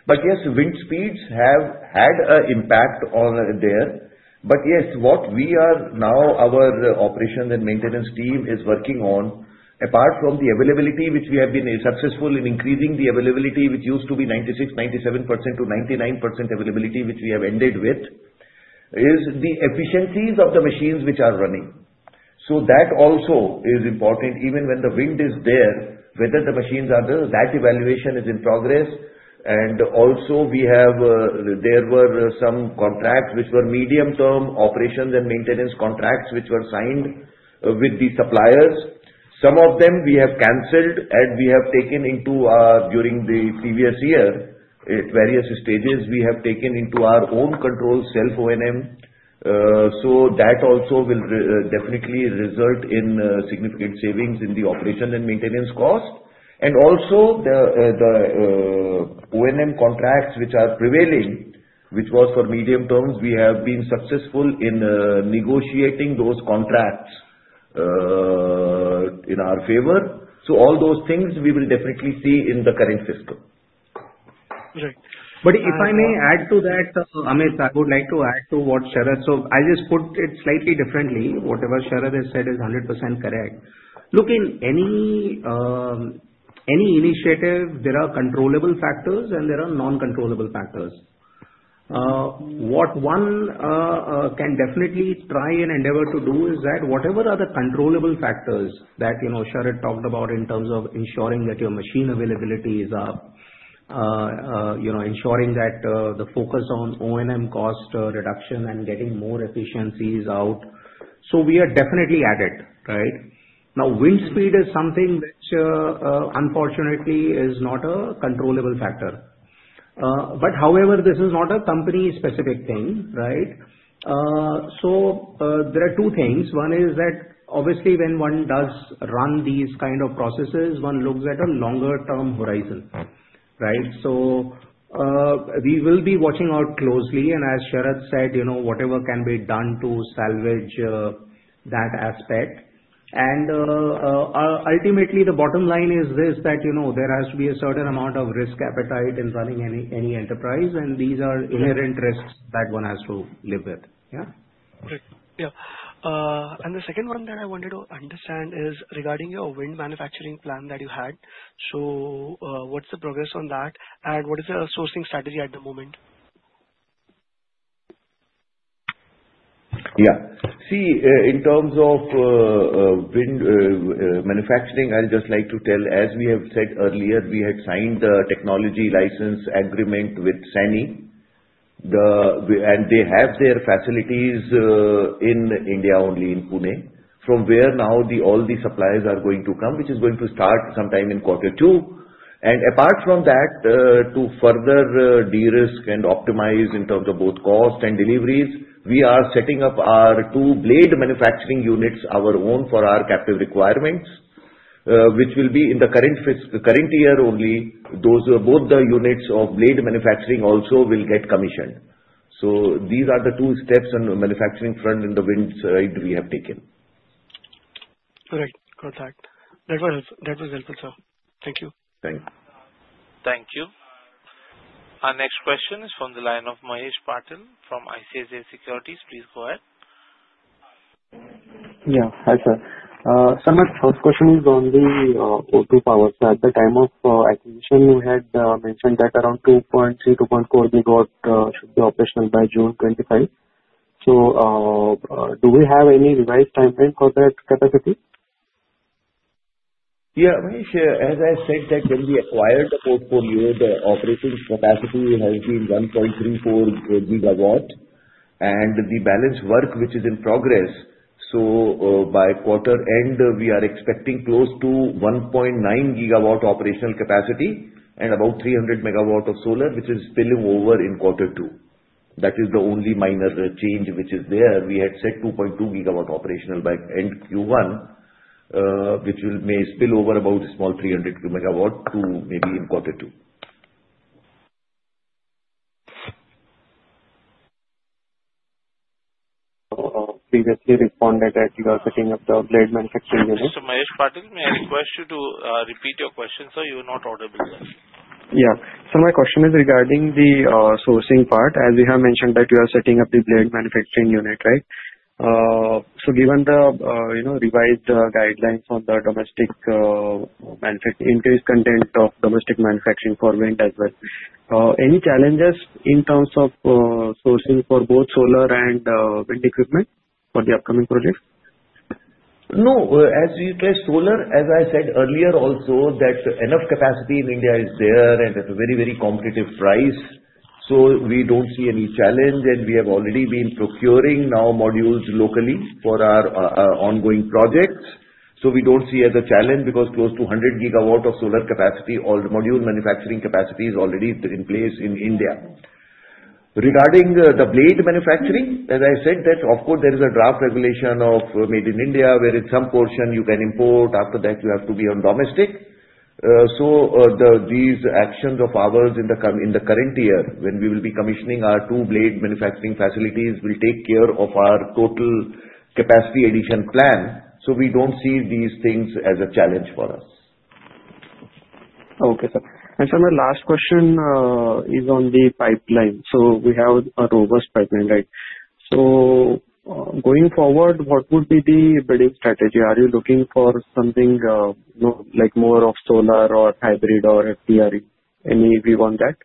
the asset. Yes, wind speeds have had an impact there. Yes, what we are now, our operation and maintenance team is working on, apart from the availability which we have been successful in increasing, the availability, which used to be 96%-97% to 99% availability, which we have ended with, is the efficiencies of the machines which are running. That also is important. Even when the wind is there, whether the machines are there, that evaluation is in progress. There were some contracts which were medium-term operations and maintenance contracts which were signed with the suppliers. Some of them we have canceled, and we have taken into our during the previous year, at various stages, we have taken into our own control, self-O&M. That also will definitely result in significant savings in the operation and maintenance cost. Also, the O&M contracts which are prevailing, which was for medium terms, we have been successful in negotiating those contracts in our favor. All those things we will definitely see in the current fiscal. Right. If I may add to that, Amit, I would like to add to what Sharad. I just put it slightly differently. Whatever Sharad has said is 100% correct. Look, in any initiative, there are controllable factors, and there are non-controllable factors. What one can definitely try and endeavor to do is that whatever are the controllable factors that Sharad talked about in terms of ensuring that your machine availability is up, ensuring that the focus on ONM cost reduction and getting more efficiencies out. We are definitely at it, right? Now, wind speed is something which, unfortunately, is not a controllable factor. However, this is not a company-specific thing, right? There are two things. One is that, obviously, when one does run these kind of processes, one looks at a longer-term horizon, right? We will be watching out closely. As Sharad said, whatever can be done to salvage that aspect. Ultimately, the bottom line is this: there has to be a certain amount of risk appetite in running any enterprise, and these are inherent risks that one has to live with. Yeah. Great. Yeah. The second one that I wanted to understand is regarding your wind manufacturing plan that you had. What is the progress on that, and what is the sourcing strategy at the moment? Yeah. See, in terms of wind manufacturing, I'd just like to tell, as we have said earlier, we had signed the technology license agreement with SANY, and they have their facilities in India only, in Pune, from where now all the suppliers are going to come, which is going to start sometime in quarter two. Apart from that, to further de-risk and optimize in terms of both cost and deliveries, we are setting up our two blade manufacturing units, our own for our captive requirements, which will be in the current year only. Both the units of blade manufacturing also will get commissioned. These are the two steps on the manufacturing front in the wind side we have taken. All right. Got that. That was helpful, sir. Thank you. Thank you. Thank you. Our next question is from the line of Mahesh Patil from ICICI Securities. Please go ahead. Yeah. Hi, sir. Sir, my first question is on the O2 Power. At the time of acquisition, you had mentioned that around 2.3-2.4 gigawatt should be operational by June 2025. Do we have any revised timeline for that capacity? Yeah. Mahesh, as I said, when we acquired the portfolio, the operating capacity has been 1.34 GW, and the balance work is in progress. By quarter end, we are expecting close to 1.9 GW operational capacity and about 300 MW of solar, which is spilling over in quarter two. That is the only minor change which is there. We had said 2.2 GW operational by end Q1, which may spill over about a small 300 MW maybe in quarter two. Previously responded that you are setting up the blade manufacturing unit. So Mahesh Patil, may I request you to repeat your question, sir? You're not audible. Yeah. My question is regarding the sourcing part. As we have mentioned that you are setting up the blade manufacturing unit, right? Given the revised guidelines on the increased content of domestic manufacturing for wind as well, any challenges in terms of sourcing for both solar and wind equipment for the upcoming projects? No. As we say, solar, as I said earlier also, enough capacity in India is there and at a very, very competitive price. We do not see any challenge, and we have already been procuring now modules locally for our ongoing projects. We do not see as a challenge because close to 100 GW of solar capacity, all the module manufacturing capacity is already in place in India. Regarding the blade manufacturing, as I said, that of course, there is a draft regulation made in India where in some portion you can import. After that, you have to be on domestic. These actions of ours in the current year, when we will be commissioning our two blade manufacturing facilities, will take care of our total capacity addition plan. We do not see these things as a challenge for us. Okay, sir. Sir, my last question is on the pipeline. We have a robust pipeline, right? Going forward, what would be the bidding strategy? Are you looking for something like more of solar or hybrid or FDRE? Any of you want that?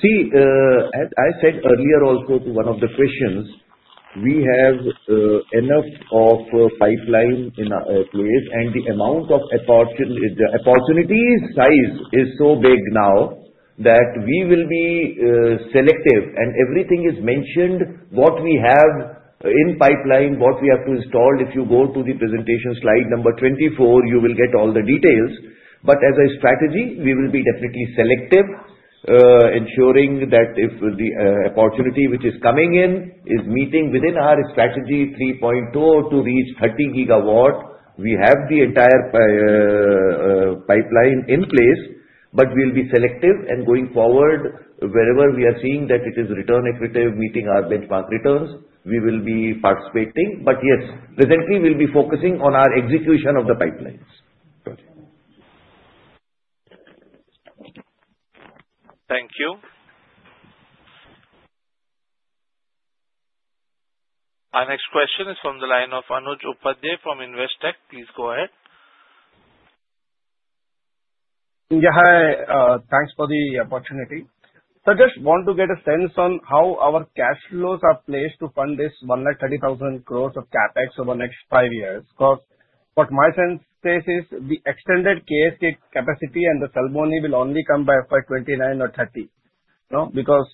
See, as I said earlier also to one of the questions, we have enough of pipeline in place and the amount of opportunity size is so big now that we will be selective. Everything is mentioned, what we have in pipeline, what we have to install. If you go to the presentation slide number 24, you will get all the details. As a strategy, we will be definitely selective, ensuring that if the opportunity which is coming in is meeting within our Strategy 3.0 to reach 30 GW, we have the entire pipeline in place. We'll be selective. Going forward, wherever we are seeing that it is return equitable, meeting our benchmark returns, we will be participating. Yes, presently, we'll be focusing on our execution of the pipelines. Thank you. Our next question is from the line of Anuj Upadhyay from Investec. Please go ahead. Yeah. Hi. Thanks for the opportunity. I just want to get a sense on how our cash flows are placed to fund this 130,000 crore of CapEx over the next five years because what my sense says is the extended KSK capacity and the Salboni will only come by FY 2029 or 2030 because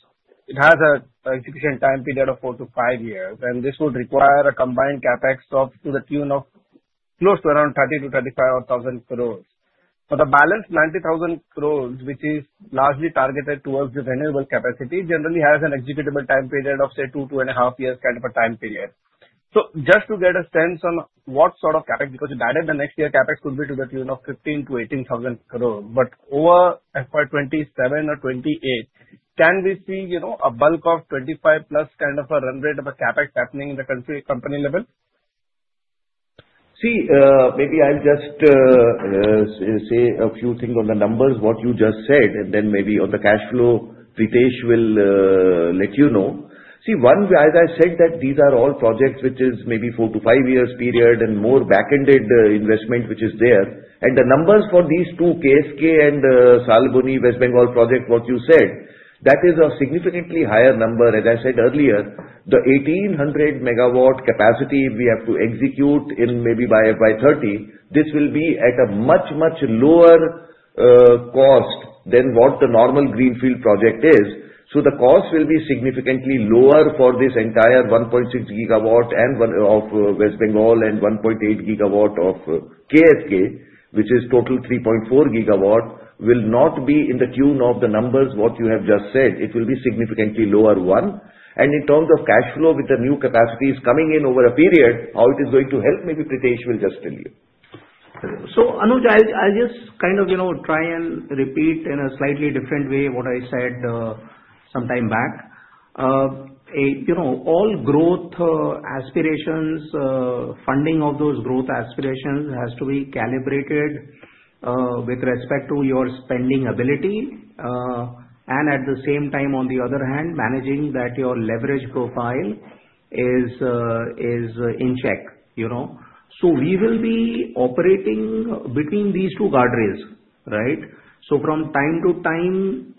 it has an execution time period of four to five years. This would require a combined CapEx up to the tune of close to around 30,000 crore- 35,000 crore. The balance, 90,000 crore, which is largely targeted towards the renewable capacity, generally has an executable time period of, say, two, two and a half years kind of a time period. I just want to get a sense on what sort of CapEx because by the next year, CapEx could be to the tune of 15,000 crore-18,000 crore. Over FY 2027 or 2028, can we see a bulk of 25+ kind of a run rate of CapEx happening at the company level? See, maybe I'll just say a few things on the numbers, what you just said, and then maybe on the cash flow, Pritesh will let you know. See, one, as I said, these are all projects which are maybe four to five years period and more back-ended investment which is there. The numbers for these two, KSK and Salboni West Bengal project, what you said, that is a significantly higher number. As I said earlier, the 1,800 MW capacity we have to execute maybe by FY 2030, this will be at a much, much lower cost than what the normal greenfield project is. The cost will be significantly lower for this entire 1.6 gigawatt of West Bengal and 1.8 gigawatt of KSK, which is total 3.4 gigawatt, will not be in the tune of the numbers what you have just said. It will be significantly lower one. In terms of cash flow with the new capacities coming in over a period, how it is going to help, maybe Pritesh will just tell you. Anuj, I'll just kind of try and repeat in a slightly different way what I said sometime back. All growth aspirations, funding of those growth aspirations has to be calibrated with respect to your spending ability. At the same time, on the other hand, managing that your leverage profile is in check. We will be operating between these two guardrails, right? From time to time,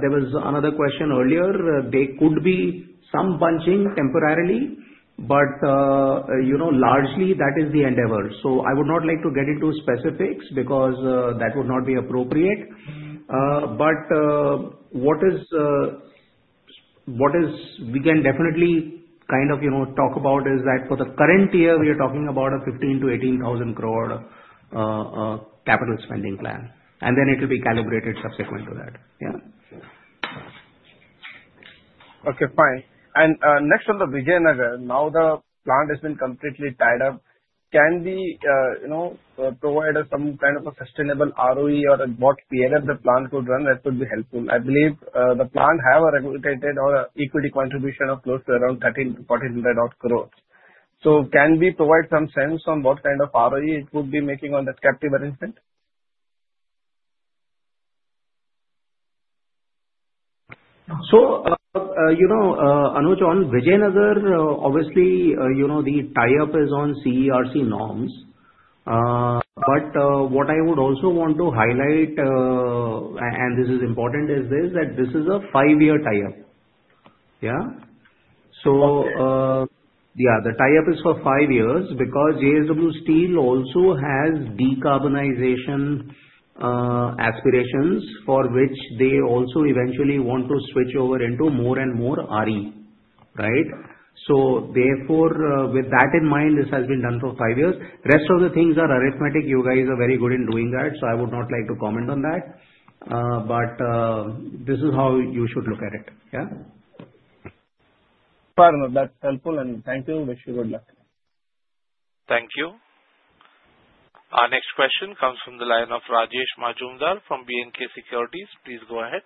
there was another question earlier. There could be some bunching temporarily, but largely, that is the endeavor. I would not like to get into specifics because that would not be appropriate. What we can definitely kind of talk about is that for the current year, we are talking about a 15,000 crore-18,000 crore capital spending plan. It will be calibrated subsequent to that. Yeah. Okay. Fine. Next, on the Vijayanagar, now the plant has been completely tied up. Can we provide some kind of a sustainable ROE or what PLF the plant could run? That would be helpful. I believe the plant has a regulated equity contribution of close to around 1,300 crore-1,400 crore. Can we provide some sense on what kind of ROE it would be making on that captive arrangement? Anuj, on Vijayanagar, obviously, the tie-up is on CERC norms. What I would also want to highlight, and this is important, is this: that this is a five-year tie-up. Yeah? So yeah, the tie-up is for five years because JSW Steel also has decarbonization aspirations for which they also eventually want to switch over into more and more RE, right? Therefore, with that in mind, this has been done for five years. Rest of the things are arithmetic. You guys are very good in doing that. I would not like to comment on that. This is how you should look at it. Yeah? Fair enough. That's helpful. Thank you. Wish you good luck. Thank you. Our next question comes from the line of Rajesh Majumdar from B & K Securities. Please go ahead.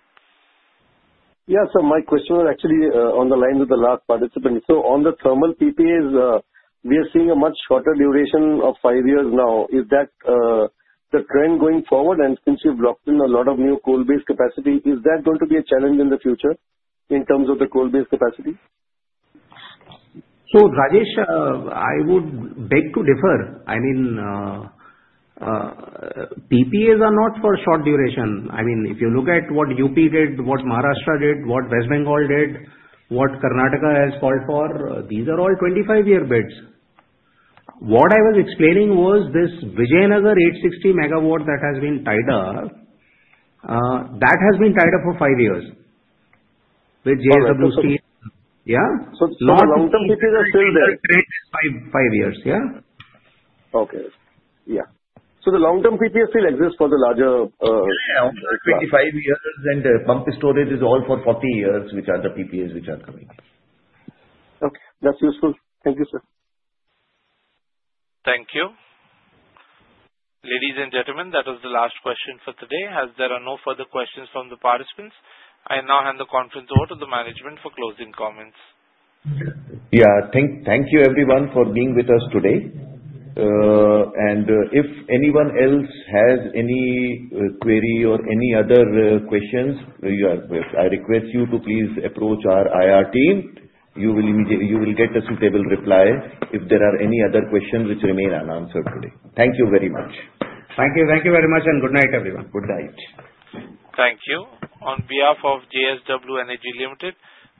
Yeah. My question was actually on the line with the last participant. On the thermal PPAs, we are seeing a much shorter duration of five years now. Is that the trend going forward? Since you have locked in a lot of new coal-based capacity, is that going to be a challenge in the future in terms of the coal-based capacity? Rajesh, I would beg to differ. I mean, PPAs are not for short duration. If you look at what UP did, what Maharashtra did, what West Bengal did, what Karnataka has called for, these are all 25-year bids. What I was explaining was this Vijayanagar 860 MW that has been tied up, that has been tied up for five years with JSW Steel. Yeah? The long-term PPAs are still there. Five years. Yeah? Okay. Yeah. The long-term PPAs still exist for the larger? Yeah. 25 years and pump storage is all for 40 years, which are the PPAs which are coming. Okay. That's useful. Thank you, sir. Thank you. Ladies and gentlemen, that was the last question for today. As there are no further questions from the participants, I now hand the conference over to the management for closing comments. Yeah. Thank you, everyone, for being with us today. If anyone else has any query or any other questions, I request you to please approach our IR team. You will get a suitable reply if there are any other questions which remain unanswered today. Thank you very much. Thank you. Thank you very much. And good night, everyone. Good night. Thank you. On behalf of JSW Energy,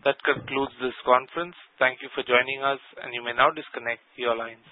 that concludes this conference. Thank you for joining us. You may now disconnect your lines.